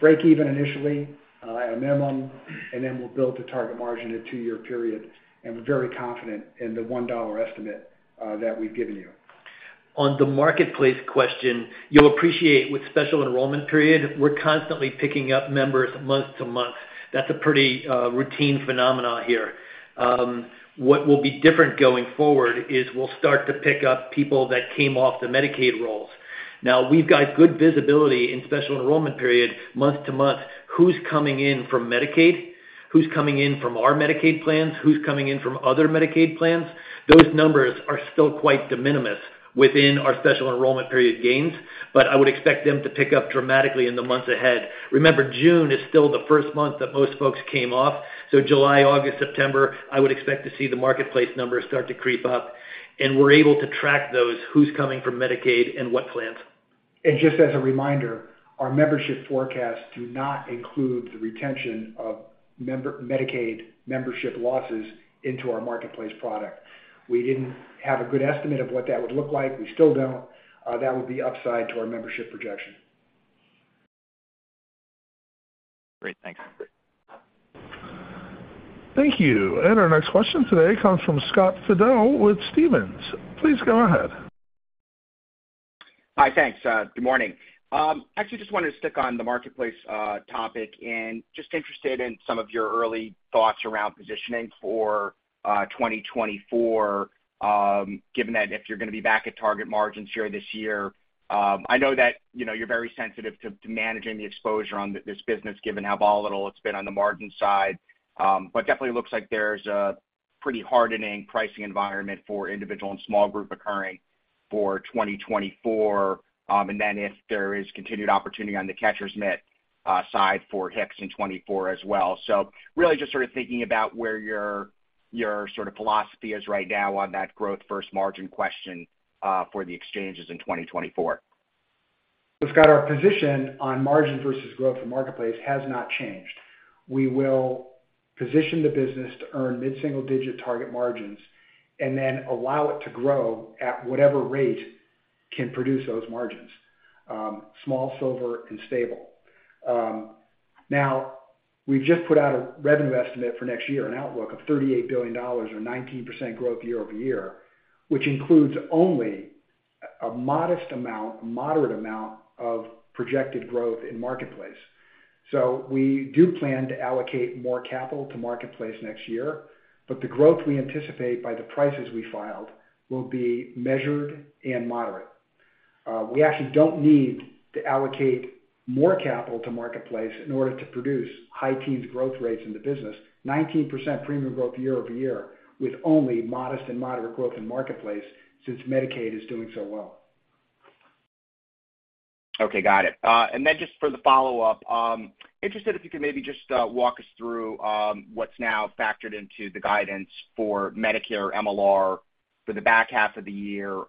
Break even initially at a minimum, and then we'll build to target margin in a two-year period, and we're very confident in the $1 estimate that we've given you. On the Marketplace question, you'll appreciate with special enrollment period, we're constantly picking up members month to month. That's a pretty routine phenomenon here. What will be different going forward is we'll start to pick up people that came off the Medicaid rolls. We've got good visibility in special enrollment period, month to month, who's coming in from Medicaid, who's coming in from our Medicaid plans, who's coming in from other Medicaid plans. Those numbers are still quite de minimis within our special enrollment period gains, but I would expect them to pick up dramatically in the months ahead. Remember, June is still the first month that most folks came off, so July, August, September, I would expect to see the Marketplace numbers start to creep up, and we're able to track those, who's coming from Medicaid and what plans. Just as a reminder, our membership forecasts do not include the retention of Medicaid membership losses into our Marketplace product. We didn't have a good estimate of what that would look like. We still don't. That would be upside to our membership projection. Great. Thanks. Thank you. Our next question today comes from Scott Fidel with Stephens. Please go ahead. Hi, thanks. Good morning. Actually, just wanted to stick on the Marketplace topic, and just interested in some of your early thoughts around positioning for 2024, given that if you're gonna be back at target margins here this year. I know that, you know, you're very sensitive to managing the exposure on this business, given how volatile it's been on the margin side. Definitely looks like there's a pretty hardening pricing environment for individual and small group occurring for 2024. If there is continued opportunity on the catcher's mitt side for HICS in 2024 as well. Really just sort of thinking about where your sort of philosophy is right now on that growth versus margin question for the exchanges in 2024. Scott, our position on margin versus growth for Marketplace has not changed. We will position the business to earn mid-single-digit target margins and then allow it to grow at whatever rate can produce those margins, small, Silver, and stable. Now, we've just put out a revenue estimate for next year, an outlook of $38 billion or 19% growth year-over-year, which includes only a modest amount, a moderate amount of projected growth in Marketplace. We do plan to allocate more capital to Marketplace next year, but the growth we anticipate by the prices we filed will be measured and moderate. We actually don't need to allocate more capital to Marketplace in order to produce high teens growth rates in the business. 19% premium growth year-over-year, with only modest and moderate growth in Marketplace since Medicaid is doing so well. Okay, got it. Just for the follow-up, interested if you could maybe just walk us through what's now factored into the guidance for Medicare MLR for the back half of the year.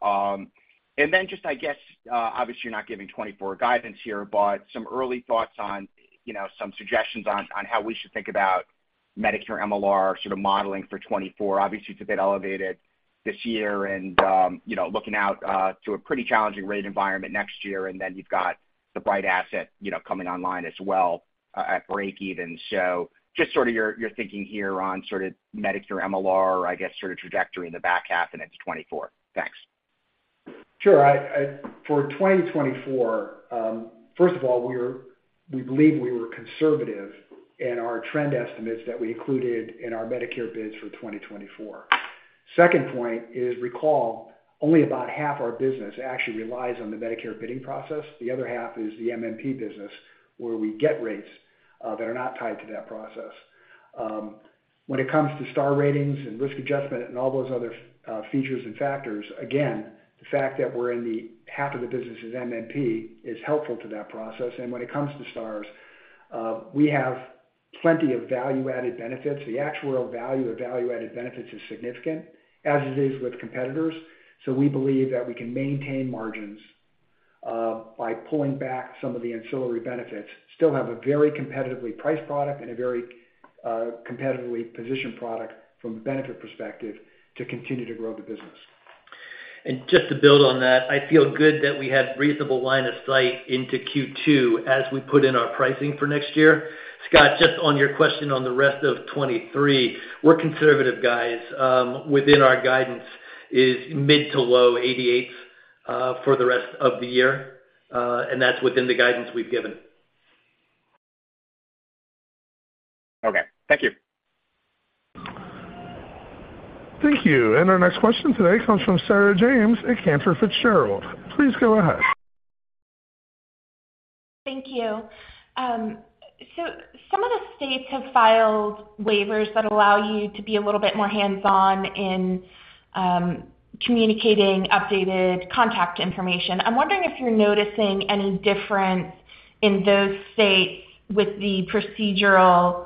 Just, I guess, obviously, you're not giving 2024 guidance here, but some early thoughts on, you know, some suggestions on how we should think about Medicare MLR sort of modeling for 2024. Obviously, it's a bit elevated this year and, you know, looking out to a pretty challenging rate environment next year, and then you've got the Bright Asset, you know, coming online as well at break even. Just sort of your thinking here on sort of Medicare MLR, I guess, sort of trajectory in the back half and into 2024. Thanks. Sure. For 2024, first of all, we believe we were conservative in our trend estimates that we included in our Medicare bids for 2024. Second point is, recall, only about half our business actually relies on the Medicare bidding process. The other half is the MMP business, where we get rates that are not tied to that process. When it comes to Star Ratings and risk adjustment and all those other features and factors, again, the fact that we're in the half of the business is MMP, is helpful to that process. When it comes to Stars, we have plenty of value-added benefits. The actual value of value-added benefits is significant, as it is with competitors, so we believe that we can maintain margins, by pulling back some of the ancillary benefits, still have a very competitively priced product and a very, competitively positioned product from a benefit perspective to continue to grow the business. Just to build on that, I feel good that we had reasonable line of sight into Q2 as we put in our pricing for next year. Scott, just on your question on the rest of 2023, we're conservative, guys. Within our guidance is mid to low 88 for the rest of the year, and that's within the guidance we've given. Okay. Thank you. Thank you. Our next question today comes from Sarah James at Cantor Fitzgerald. Please go ahead. Thank you. Some of the states have filed waivers that allow you to be a little bit more hands-on in communicating updated contact information. I'm wondering if you're noticing any difference in those states with the procedural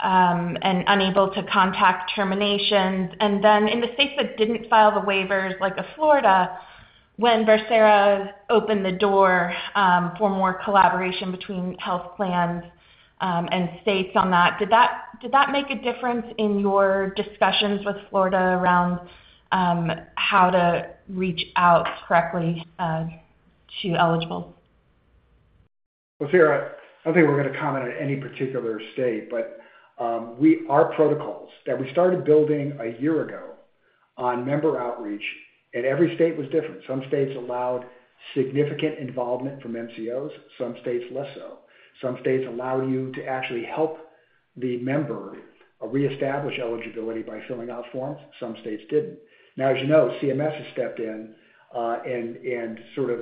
and unable to contact terminations. In the states that didn't file the waivers, like a Florida, when Becerra opened the door for more collaboration between health plans and states on that, did that make a difference in your discussions with Florida around how to reach out correctly to eligibles? Well, Sarah, I don't think we're gonna comment on any particular state, but our protocols that we started building a year ago on member outreach, and every state was different. Some states allowed significant involvement from MCOs, some states, less so. Some states allowed you to actually help the member reestablish eligibility by filling out forms. Some states didn't. As you know, CMS has stepped in and sort of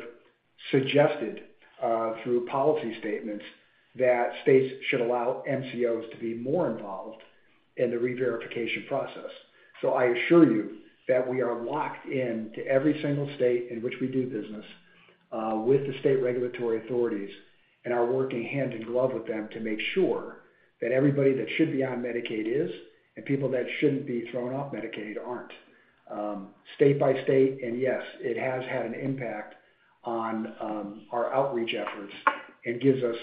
suggested through policy statements that states should allow MCOs to be more involved in the reverification process. I assure you that we are locked in to every single state in which we do business with the state regulatory authorities, and are working hand in glove with them to make sure that everybody that should be on Medicaid is, and people that shouldn't be thrown off Medicaid aren't. State by state, and yes, it has had an impact on our outreach efforts and gives us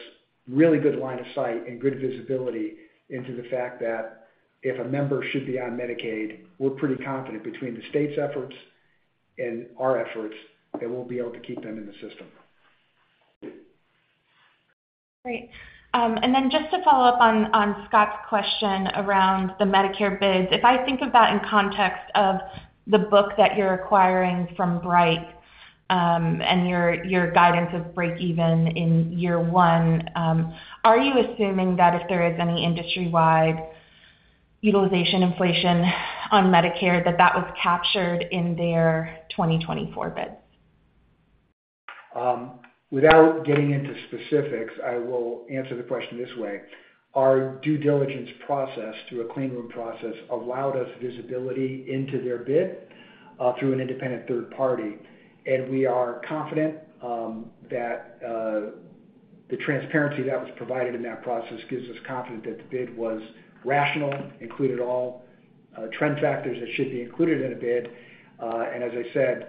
really good line of sight and good visibility into the fact that if a member should be on Medicaid, we're pretty confident between the state's efforts and our efforts, that we'll be able to keep them in the system. Great. Just to follow up on Scott's question around the Medicare bids. If I think of that in context of the book that you're acquiring from Bright, and your guidance of break even in year one, are you assuming that if there is any industry-wide utilization inflation on Medicare, that that was captured in their 2024 bids? Without getting into specifics, I will answer the question this way: Our due diligence process, through a clean room process, allowed us visibility into their bid through an independent third party. We are confident that the transparency that was provided in that process gives us confidence that the bid was rational, included all trend factors that should be included in a bid. As I said,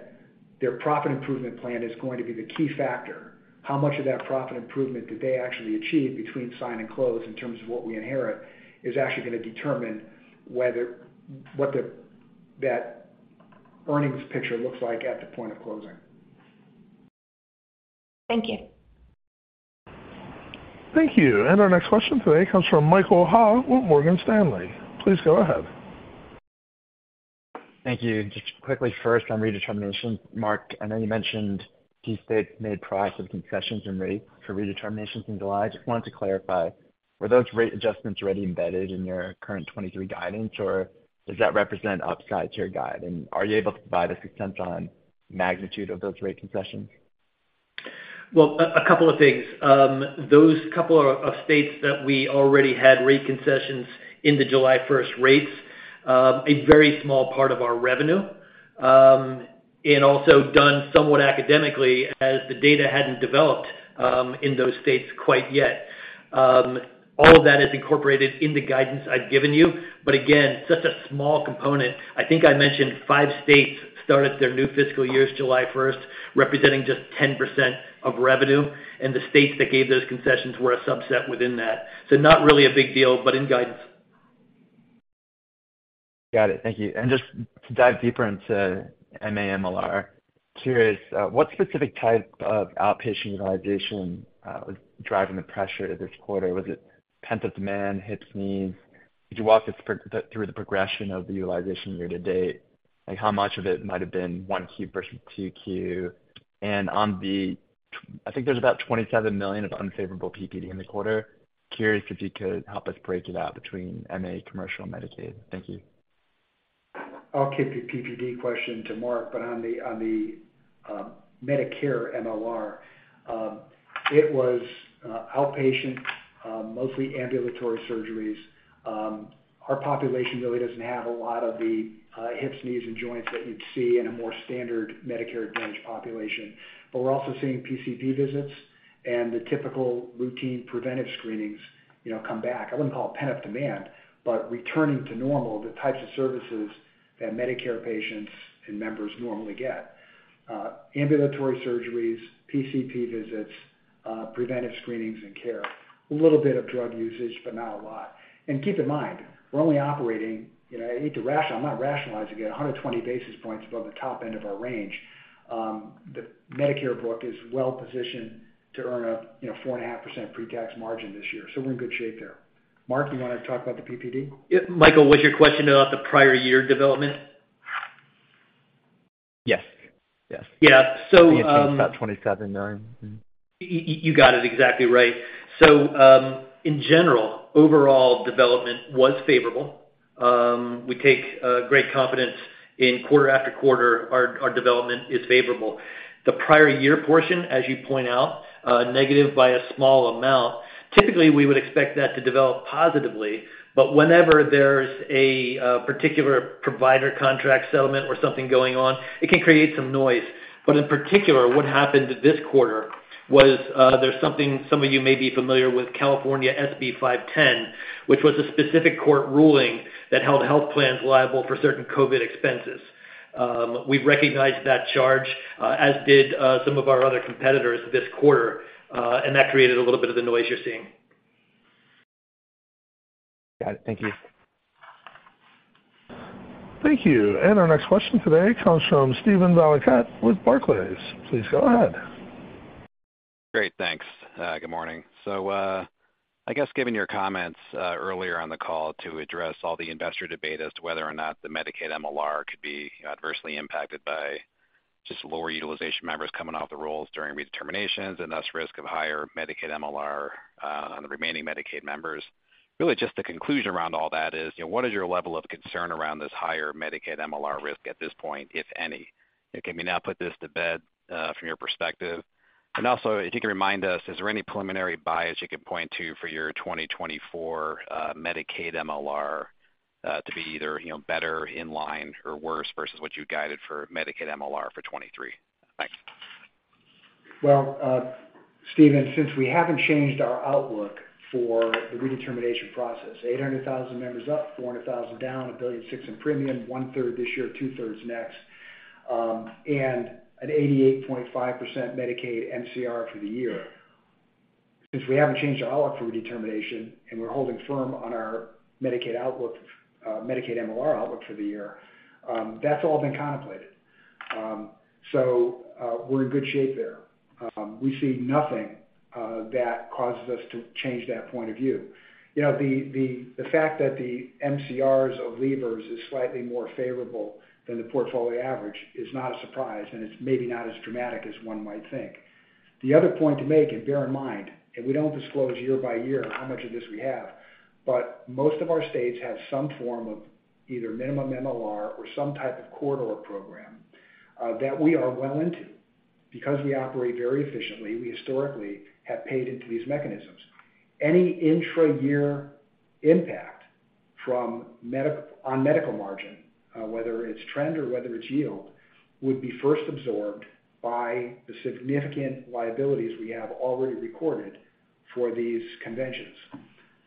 their profit improvement plan is going to be the key factor. How much of that profit improvement did they actually achieve between sign and close, in terms of what we inherit, is actually gonna determine what that earnings picture looks like at the point of closing. Thank you. Thank you. Our next question today comes from Michael Ha with Morgan Stanley. Please go ahead. Thank you. Just quickly, first on redetermination, Mark, I know you mentioned key states made price of concessions and rate for redeterminations in July. I just wanted to clarify, were those rate adjustments already embedded in your current 2023 guidance, or does that represent upside to your guide? Are you able to provide us a sense on magnitude of those rate concessions? Well, a couple of things. Those couple of states that we already had rate concessions in the July 1st rates, a very small part of our revenue, and also done somewhat academically as the data hadn't developed in those states quite yet. All of that is incorporated in the guidance I've given you, but again, such a small component. I think I mentioned five states started their new fiscal years, July 1st, representing just 10% of revenue, and the states that gave those concessions were a subset within that. Not really a big deal, but in guidance. Got it. Thank you. Just to dive deeper into MA MLR, curious, what specific type of outpatient utilization was driving the pressure this quarter? Was it pent-up demand, hips, knees? Could you walk us through the progression of the utilization year to date? Like, how much of it might have been Q1 versus Q2? I think there's about $27 million of unfavorable PPD in the quarter. Curious if you could help us break it out between MA commercial and Medicaid? Thank you. I'll keep the PPD question to Mark, but on the Medicare MLR, it was outpatient, mostly ambulatory surgeries. Our population really doesn't have a lot of the hips, knees, and joints that you'd see in a more standard Medicare Advantage population. We're also seeing PCP visits and the typical routine preventive screenings, you know, come back. I wouldn't call it pent-up demand, but returning to normal the types of services that Medicare patients and members normally get. Ambulatory surgeries, PCP visits, preventive screenings and care. A little bit of drug usage, but not a lot. Keep in mind, we're only operating, you know, I hate to ration, I'm not rationalizing it, 120 basis points above the top end of our range. The Medicare book is well positioned to earn a, you know, 4.5% pre-tax margin this year. We're in good shape there. Mark, you want to talk about the PPD? Yeah, Michael, was your question about the prior year development? Yes. Yes. Yeah. About $27 million. You got it exactly right. In general, overall development was favorable. We take great confidence in quarter after quarter, our development is favorable. The prior year portion, as you point out, negative by a small amount. Typically, we would expect that to develop positively, but whenever there's a particular provider contract settlement or something going on, it can create some noise. In particular, what happened this quarter was, there's something some of you may be familiar with, California SB 510, which was a specific court ruling that held health plans liable for certain COVID expenses. We've recognized that charge, as did some of our other competitors this quarter, and that created a little bit of the noise you're seeing. Got it. Thank you. Thank you. Our next question today comes from Steven Valiquette with Barclays. Please go ahead. Great. Thanks. Good morning. I guess given your comments earlier on the call to address all the investor debate as to whether or not the Medicaid MLR could be adversely impacted by just lower utilization members coming off the rolls during redeterminations, and thus, risk of higher Medicaid MLR on the remaining Medicaid members. Really, just the conclusion around all that is, you know, what is your level of concern around this higher Medicaid MLR risk at this point, if any? Can we now put this to bed from your perspective? If you can remind us, is there any preliminary bias you can point to for your 2024 Medicaid MLR to be either, you know, better in line or worse versus what you guided for Medicaid MLR for 2023? Thanks. Well, Stephen, since we haven't changed our outlook for the redetermination process, 800,000 members up, 400,000 down, $1.6 billion in premium, one-third this year, two-thirds next, and an 88.5% Medicaid MCR for the year. Since we haven't changed our outlook for redetermination, and we're holding firm on our Medicaid outlook, Medicaid MLR outlook for the year, that's all been contemplated. We're in good shape there. We see nothing that causes us to change that point of view. You know, the fact that the MCRs of leavers is slightly more favorable than the portfolio average is not a surprise, and it's maybe not as dramatic as one might think. The other point to make, bear in mind, we don't disclose year by year how much of this we have, most of our states have some form of either minimum MLR or some type of corridor program that we are well into. Because we operate very efficiently, we historically have paid into these mechanisms. Any intra-year impact on medical margin, whether it's trend or whether it's yield, would be first absorbed by the significant liabilities we have already recorded for these conventions.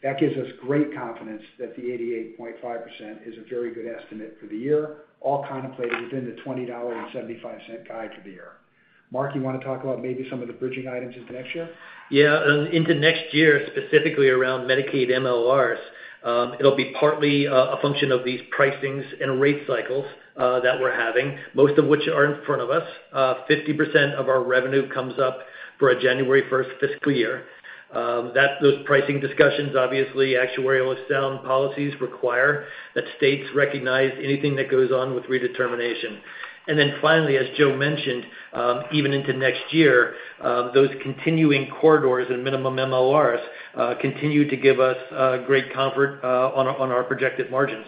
That gives us great confidence that the 88.5% is a very good estimate for the year, all contemplated within the $20.75 guide for the year. Mark, you want to talk about maybe some of the bridging items into next year? Yeah. Into next year, specifically around Medicaid MLRs, it'll be partly a function of these pricings and rate cycles, that we're having, most of which are in front of us. 50% of our revenue comes up for a January 1st fiscal year those pricing discussions, obviously, actuarially sound policies require that states recognize anything that goes on with redetermination. Finally, as Joe mentioned, even into next year, those continuing corridors and minimum MLRs continue to give us great comfort on our projected margins.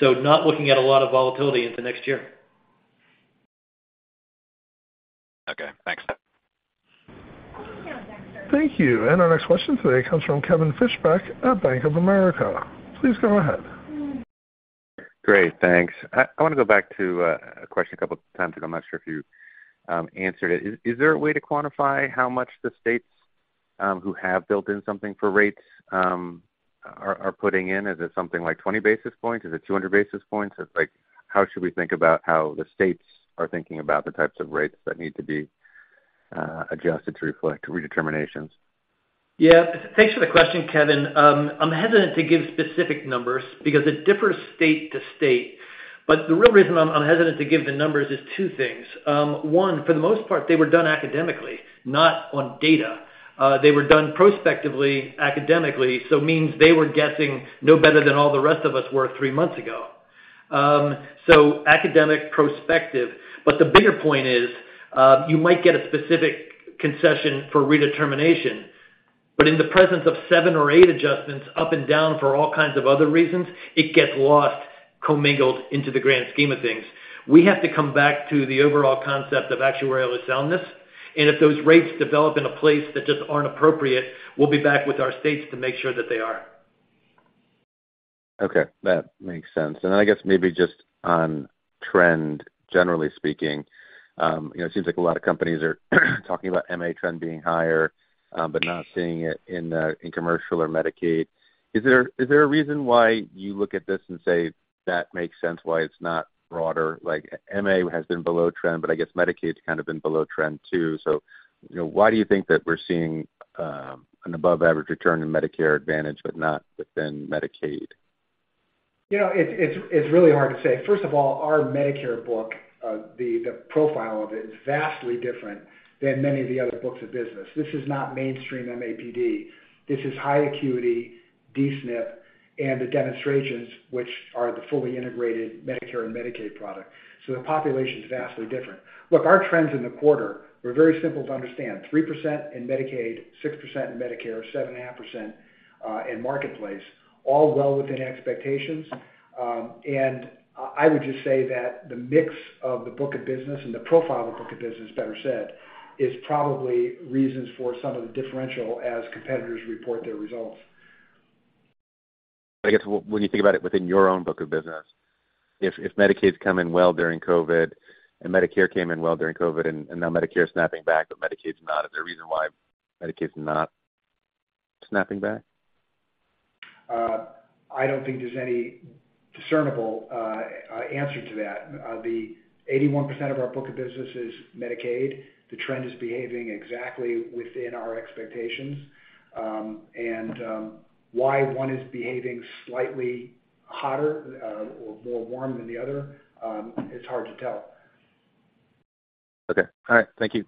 Not looking at a lot of volatility into next year. Okay, thanks. Thank you. Our next question today comes from Kevin Fischbeck at Bank of America. Please go ahead. Great, thanks. I wanna go back to a question a couple times, but I'm not sure if you answered it. Is there a way to quantify how much the states, who have built in something for rates, are putting in? Is it something like 20 basis points? Is it 200 basis points? It's like, how should we think about how the states are thinking about the types of rates that need to be adjusted to reflect redeterminations? Yeah, thanks for the question, Kevin. I'm hesitant to give specific numbers because it differs state to state. The real reason I'm hesitant to give the numbers is two things. One, for the most part, they were done academically, not on data. They were done prospectively, academically, means they were guessing no better than all the rest of us were three months ago. Academic prospective. The bigger point is, you might get a specific concession for redetermination, but in the presence of seven or eight adjustments, up and down for all kinds of other reasons, it gets lost, commingled into the grand scheme of things. We have to come back to the overall concept of actuarial soundness. If those rates develop in a place that just aren't appropriate, we'll be back with our states to make sure that they are. Okay, that makes sense. I guess maybe just on trend, generally speaking, you know, it seems like a lot of companies are talking about MA trend being higher, but not seeing it in commercial or Medicaid. Is there a reason why you look at this and say, "That makes sense why it's not broader?" Like, MA has been below trend, but I guess Medicaid's kind of been below trend, too. You know, why do you think that we're seeing an above average return in Medicare Advantage, but not within Medicaid? You know, it's really hard to say. First of all, our Medicare book, the profile of it is vastly different than many of the other books of business. This is not mainstream MAPD. This is high acuity, D-SNP, and the demonstrations which are the fully integrated Medicare and Medicaid product. The population is vastly different. Look, our trends in the quarter were very simple to understand: 3% in Medicaid, 6% in Medicare, 7.5% in Marketplace, all well within expectations. I would just say that the mix of the book of business and the profile of the book of business, better said, is probably reasons for some of the differential as competitors report their results. I guess, when you think about it within your own book of business, if Medicaid's come in well during COVID, and Medicare came in well during COVID, and now Medicare is snapping back, but Medicaid's not. Is there a reason why Medicaid's not snapping back? I don't think there's any discernible answer to that. The 81% of our book of business is Medicaid. The trend is behaving exactly within our expectations. And why one is behaving slightly hotter, or more warm than the other, it's hard to tell. Okay. All right. Thank you.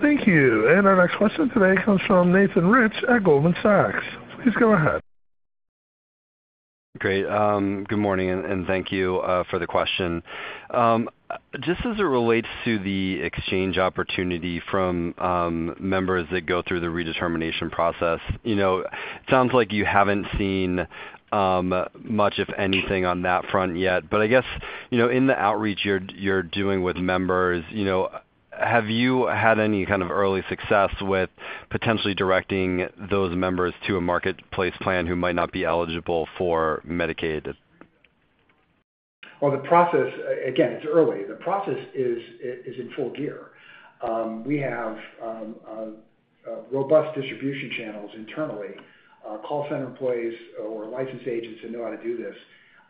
Thank you. Our next question today comes from Nathan Roth at Goldman Sachs. Please go ahead. Great. Good morning, and thank you for the question. Just as it relates to the exchange opportunity from members that go through the redetermination process, you know, it sounds like you haven't seen much of anything on that front yet. I guess, you know, in the outreach you're doing with members, you know, have you had any kind of early success with potentially directing those members to a Marketplace plan who might not be eligible for Medicaid? Well, the process, again, it's early. The process is in full gear. We have robust distribution channels internally, call center employees or licensed agents who know how to do this.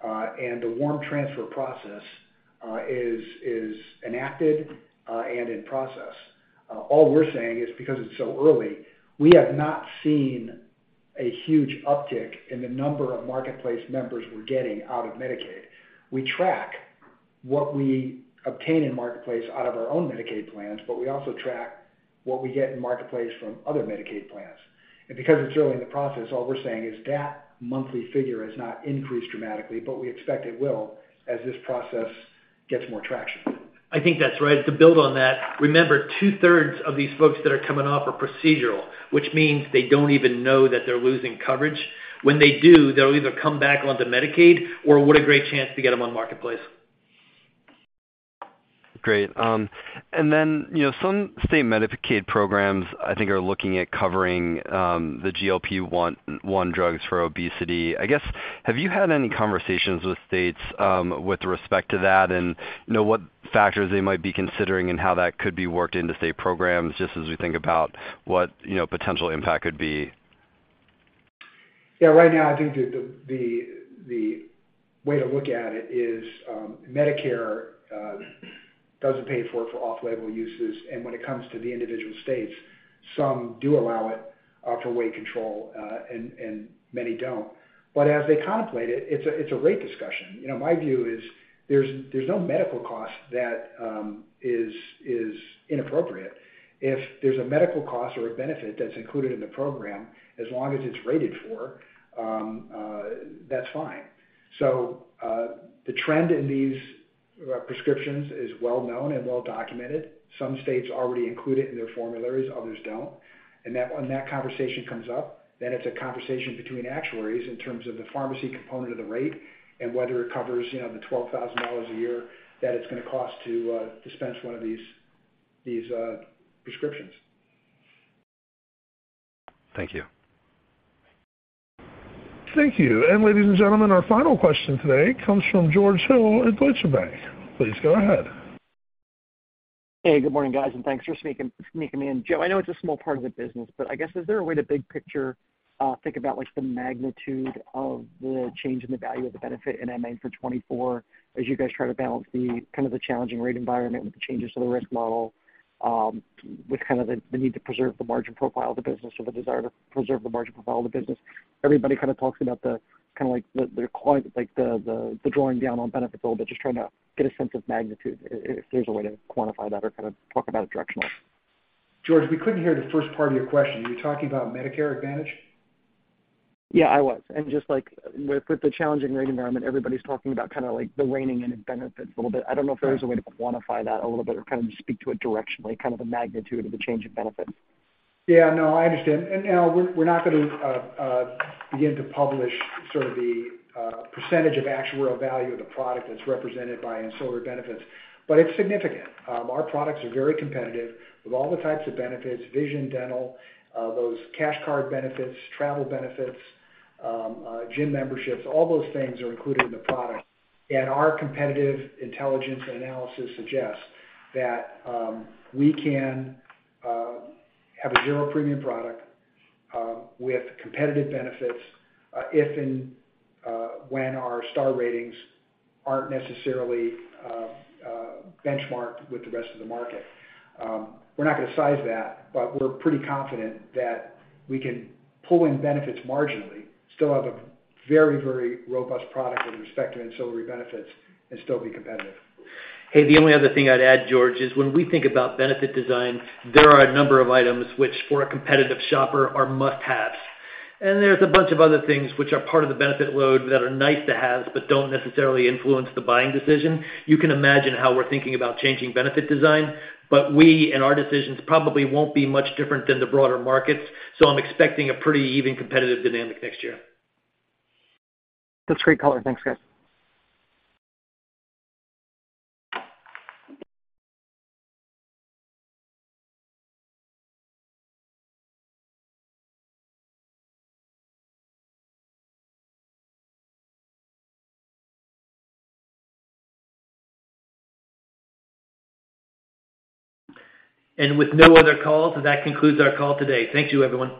The warm transfer process is enacted and in process. All we're saying is because it's so early, we have not seen a huge uptick in the number of Marketplace members we're getting out of Medicaid. We track what we obtain in Marketplace out of our own Medicaid plans, but we also track what we get in Marketplace from other Medicaid plans. Because it's early in the process, all we're saying is that monthly figure has not increased dramatically, but we expect it will as this process gets more traction. I think that's right. To build on that, remember, two-thirds of these folks that are coming off are procedural, which means they don't even know that they're losing coverage. When they do, they'll either come back onto Medicaid, or what a great chance to get them on Marketplace. Great. You know, some state Medicaid programs, I think, are looking at covering the GLP-1 drugs for obesity. I guess, have you had any conversations with states with respect to that, and know what factors they might be considering and how that could be worked into state programs just as we think about what, you know, potential impact could be? Yeah, right now, I think the way to look at it is, Medicare doesn't pay for it for off-label uses, and when it comes to the individual states, some do allow it. For weight control, and many don't. As they contemplate it's a rate discussion. You know, my view is there's no medical cost that is inappropriate. If there's a medical cost or a benefit that's included in the program, as long as it's rated for, that's fine. The trend in these prescriptions is well known and well documented. Some states already include it in their formularies, others don't. That, when that conversation comes up, then it's a conversation between actuaries in terms of the pharmacy component of the rate and whether it covers, you know, the $12,000 a year that it's gonna cost to dispense one of these prescriptions. Thank you. Thank you. Ladies and gentlemen, our final question today comes from George Hill at Deutsche Bank. Please go ahead. Hey, good morning, guys, and thanks for sneaking me in. Joe, I know it's a small part of the business, but I guess, is there a way to big picture, think about, like, the magnitude of the change in the value of the benefit in MA for 24, as you guys try to balance the kind of the challenging rate environment with the changes to the risk model, with kind of the need to preserve the margin profile of the business or the desire to preserve the margin profile of the business? Everybody kind of talks about the kind of like the drawing down on benefits a little bit, just trying to get a sense of magnitude, if there's a way to quantify that or kind of talk about it directionally. George, we couldn't hear the first part of your question. Are you talking about Medicare Advantage? Yeah, I was. Just like with the challenging rate environment, everybody's talking about kind of like the reining in of benefits a little bit. I don't know if there is a way to quantify that a little bit or kind of just speak to it directionally, kind of the magnitude of the change in benefits. Yeah, no, I understand. You know, we're not gonna begin to publish sort of the percentage of actuarial value of the product that's represented by ancillary benefits, but it's significant. Our products are very competitive with all the types of benefits, vision, dental, those cash card benefits, travel benefits, gym memberships, all those things are included in the product. Our competitive intelligence and analysis suggests that we can have a zero premium product with competitive benefits if and when our star ratings aren't necessarily benchmarked with the rest of the market. We're not gonna size that, but we're pretty confident that we can pull in benefits marginally, still have a very robust product with respect to ancillary benefits and still be competitive. Hey, the only other thing I'd add, George, is when we think about benefit design, there are a number of items which, for a competitive shopper, are must-haves. There's a bunch of other things which are part of the benefit load that are nice to have, but don't necessarily influence the buying decision. You can imagine how we're thinking about changing benefit design. We, in our decisions, probably won't be much different than the broader markets. I'm expecting a pretty even competitive dynamic next year. That's great color. Thanks, guys. With no other calls, that concludes our call today. Thank you, everyone.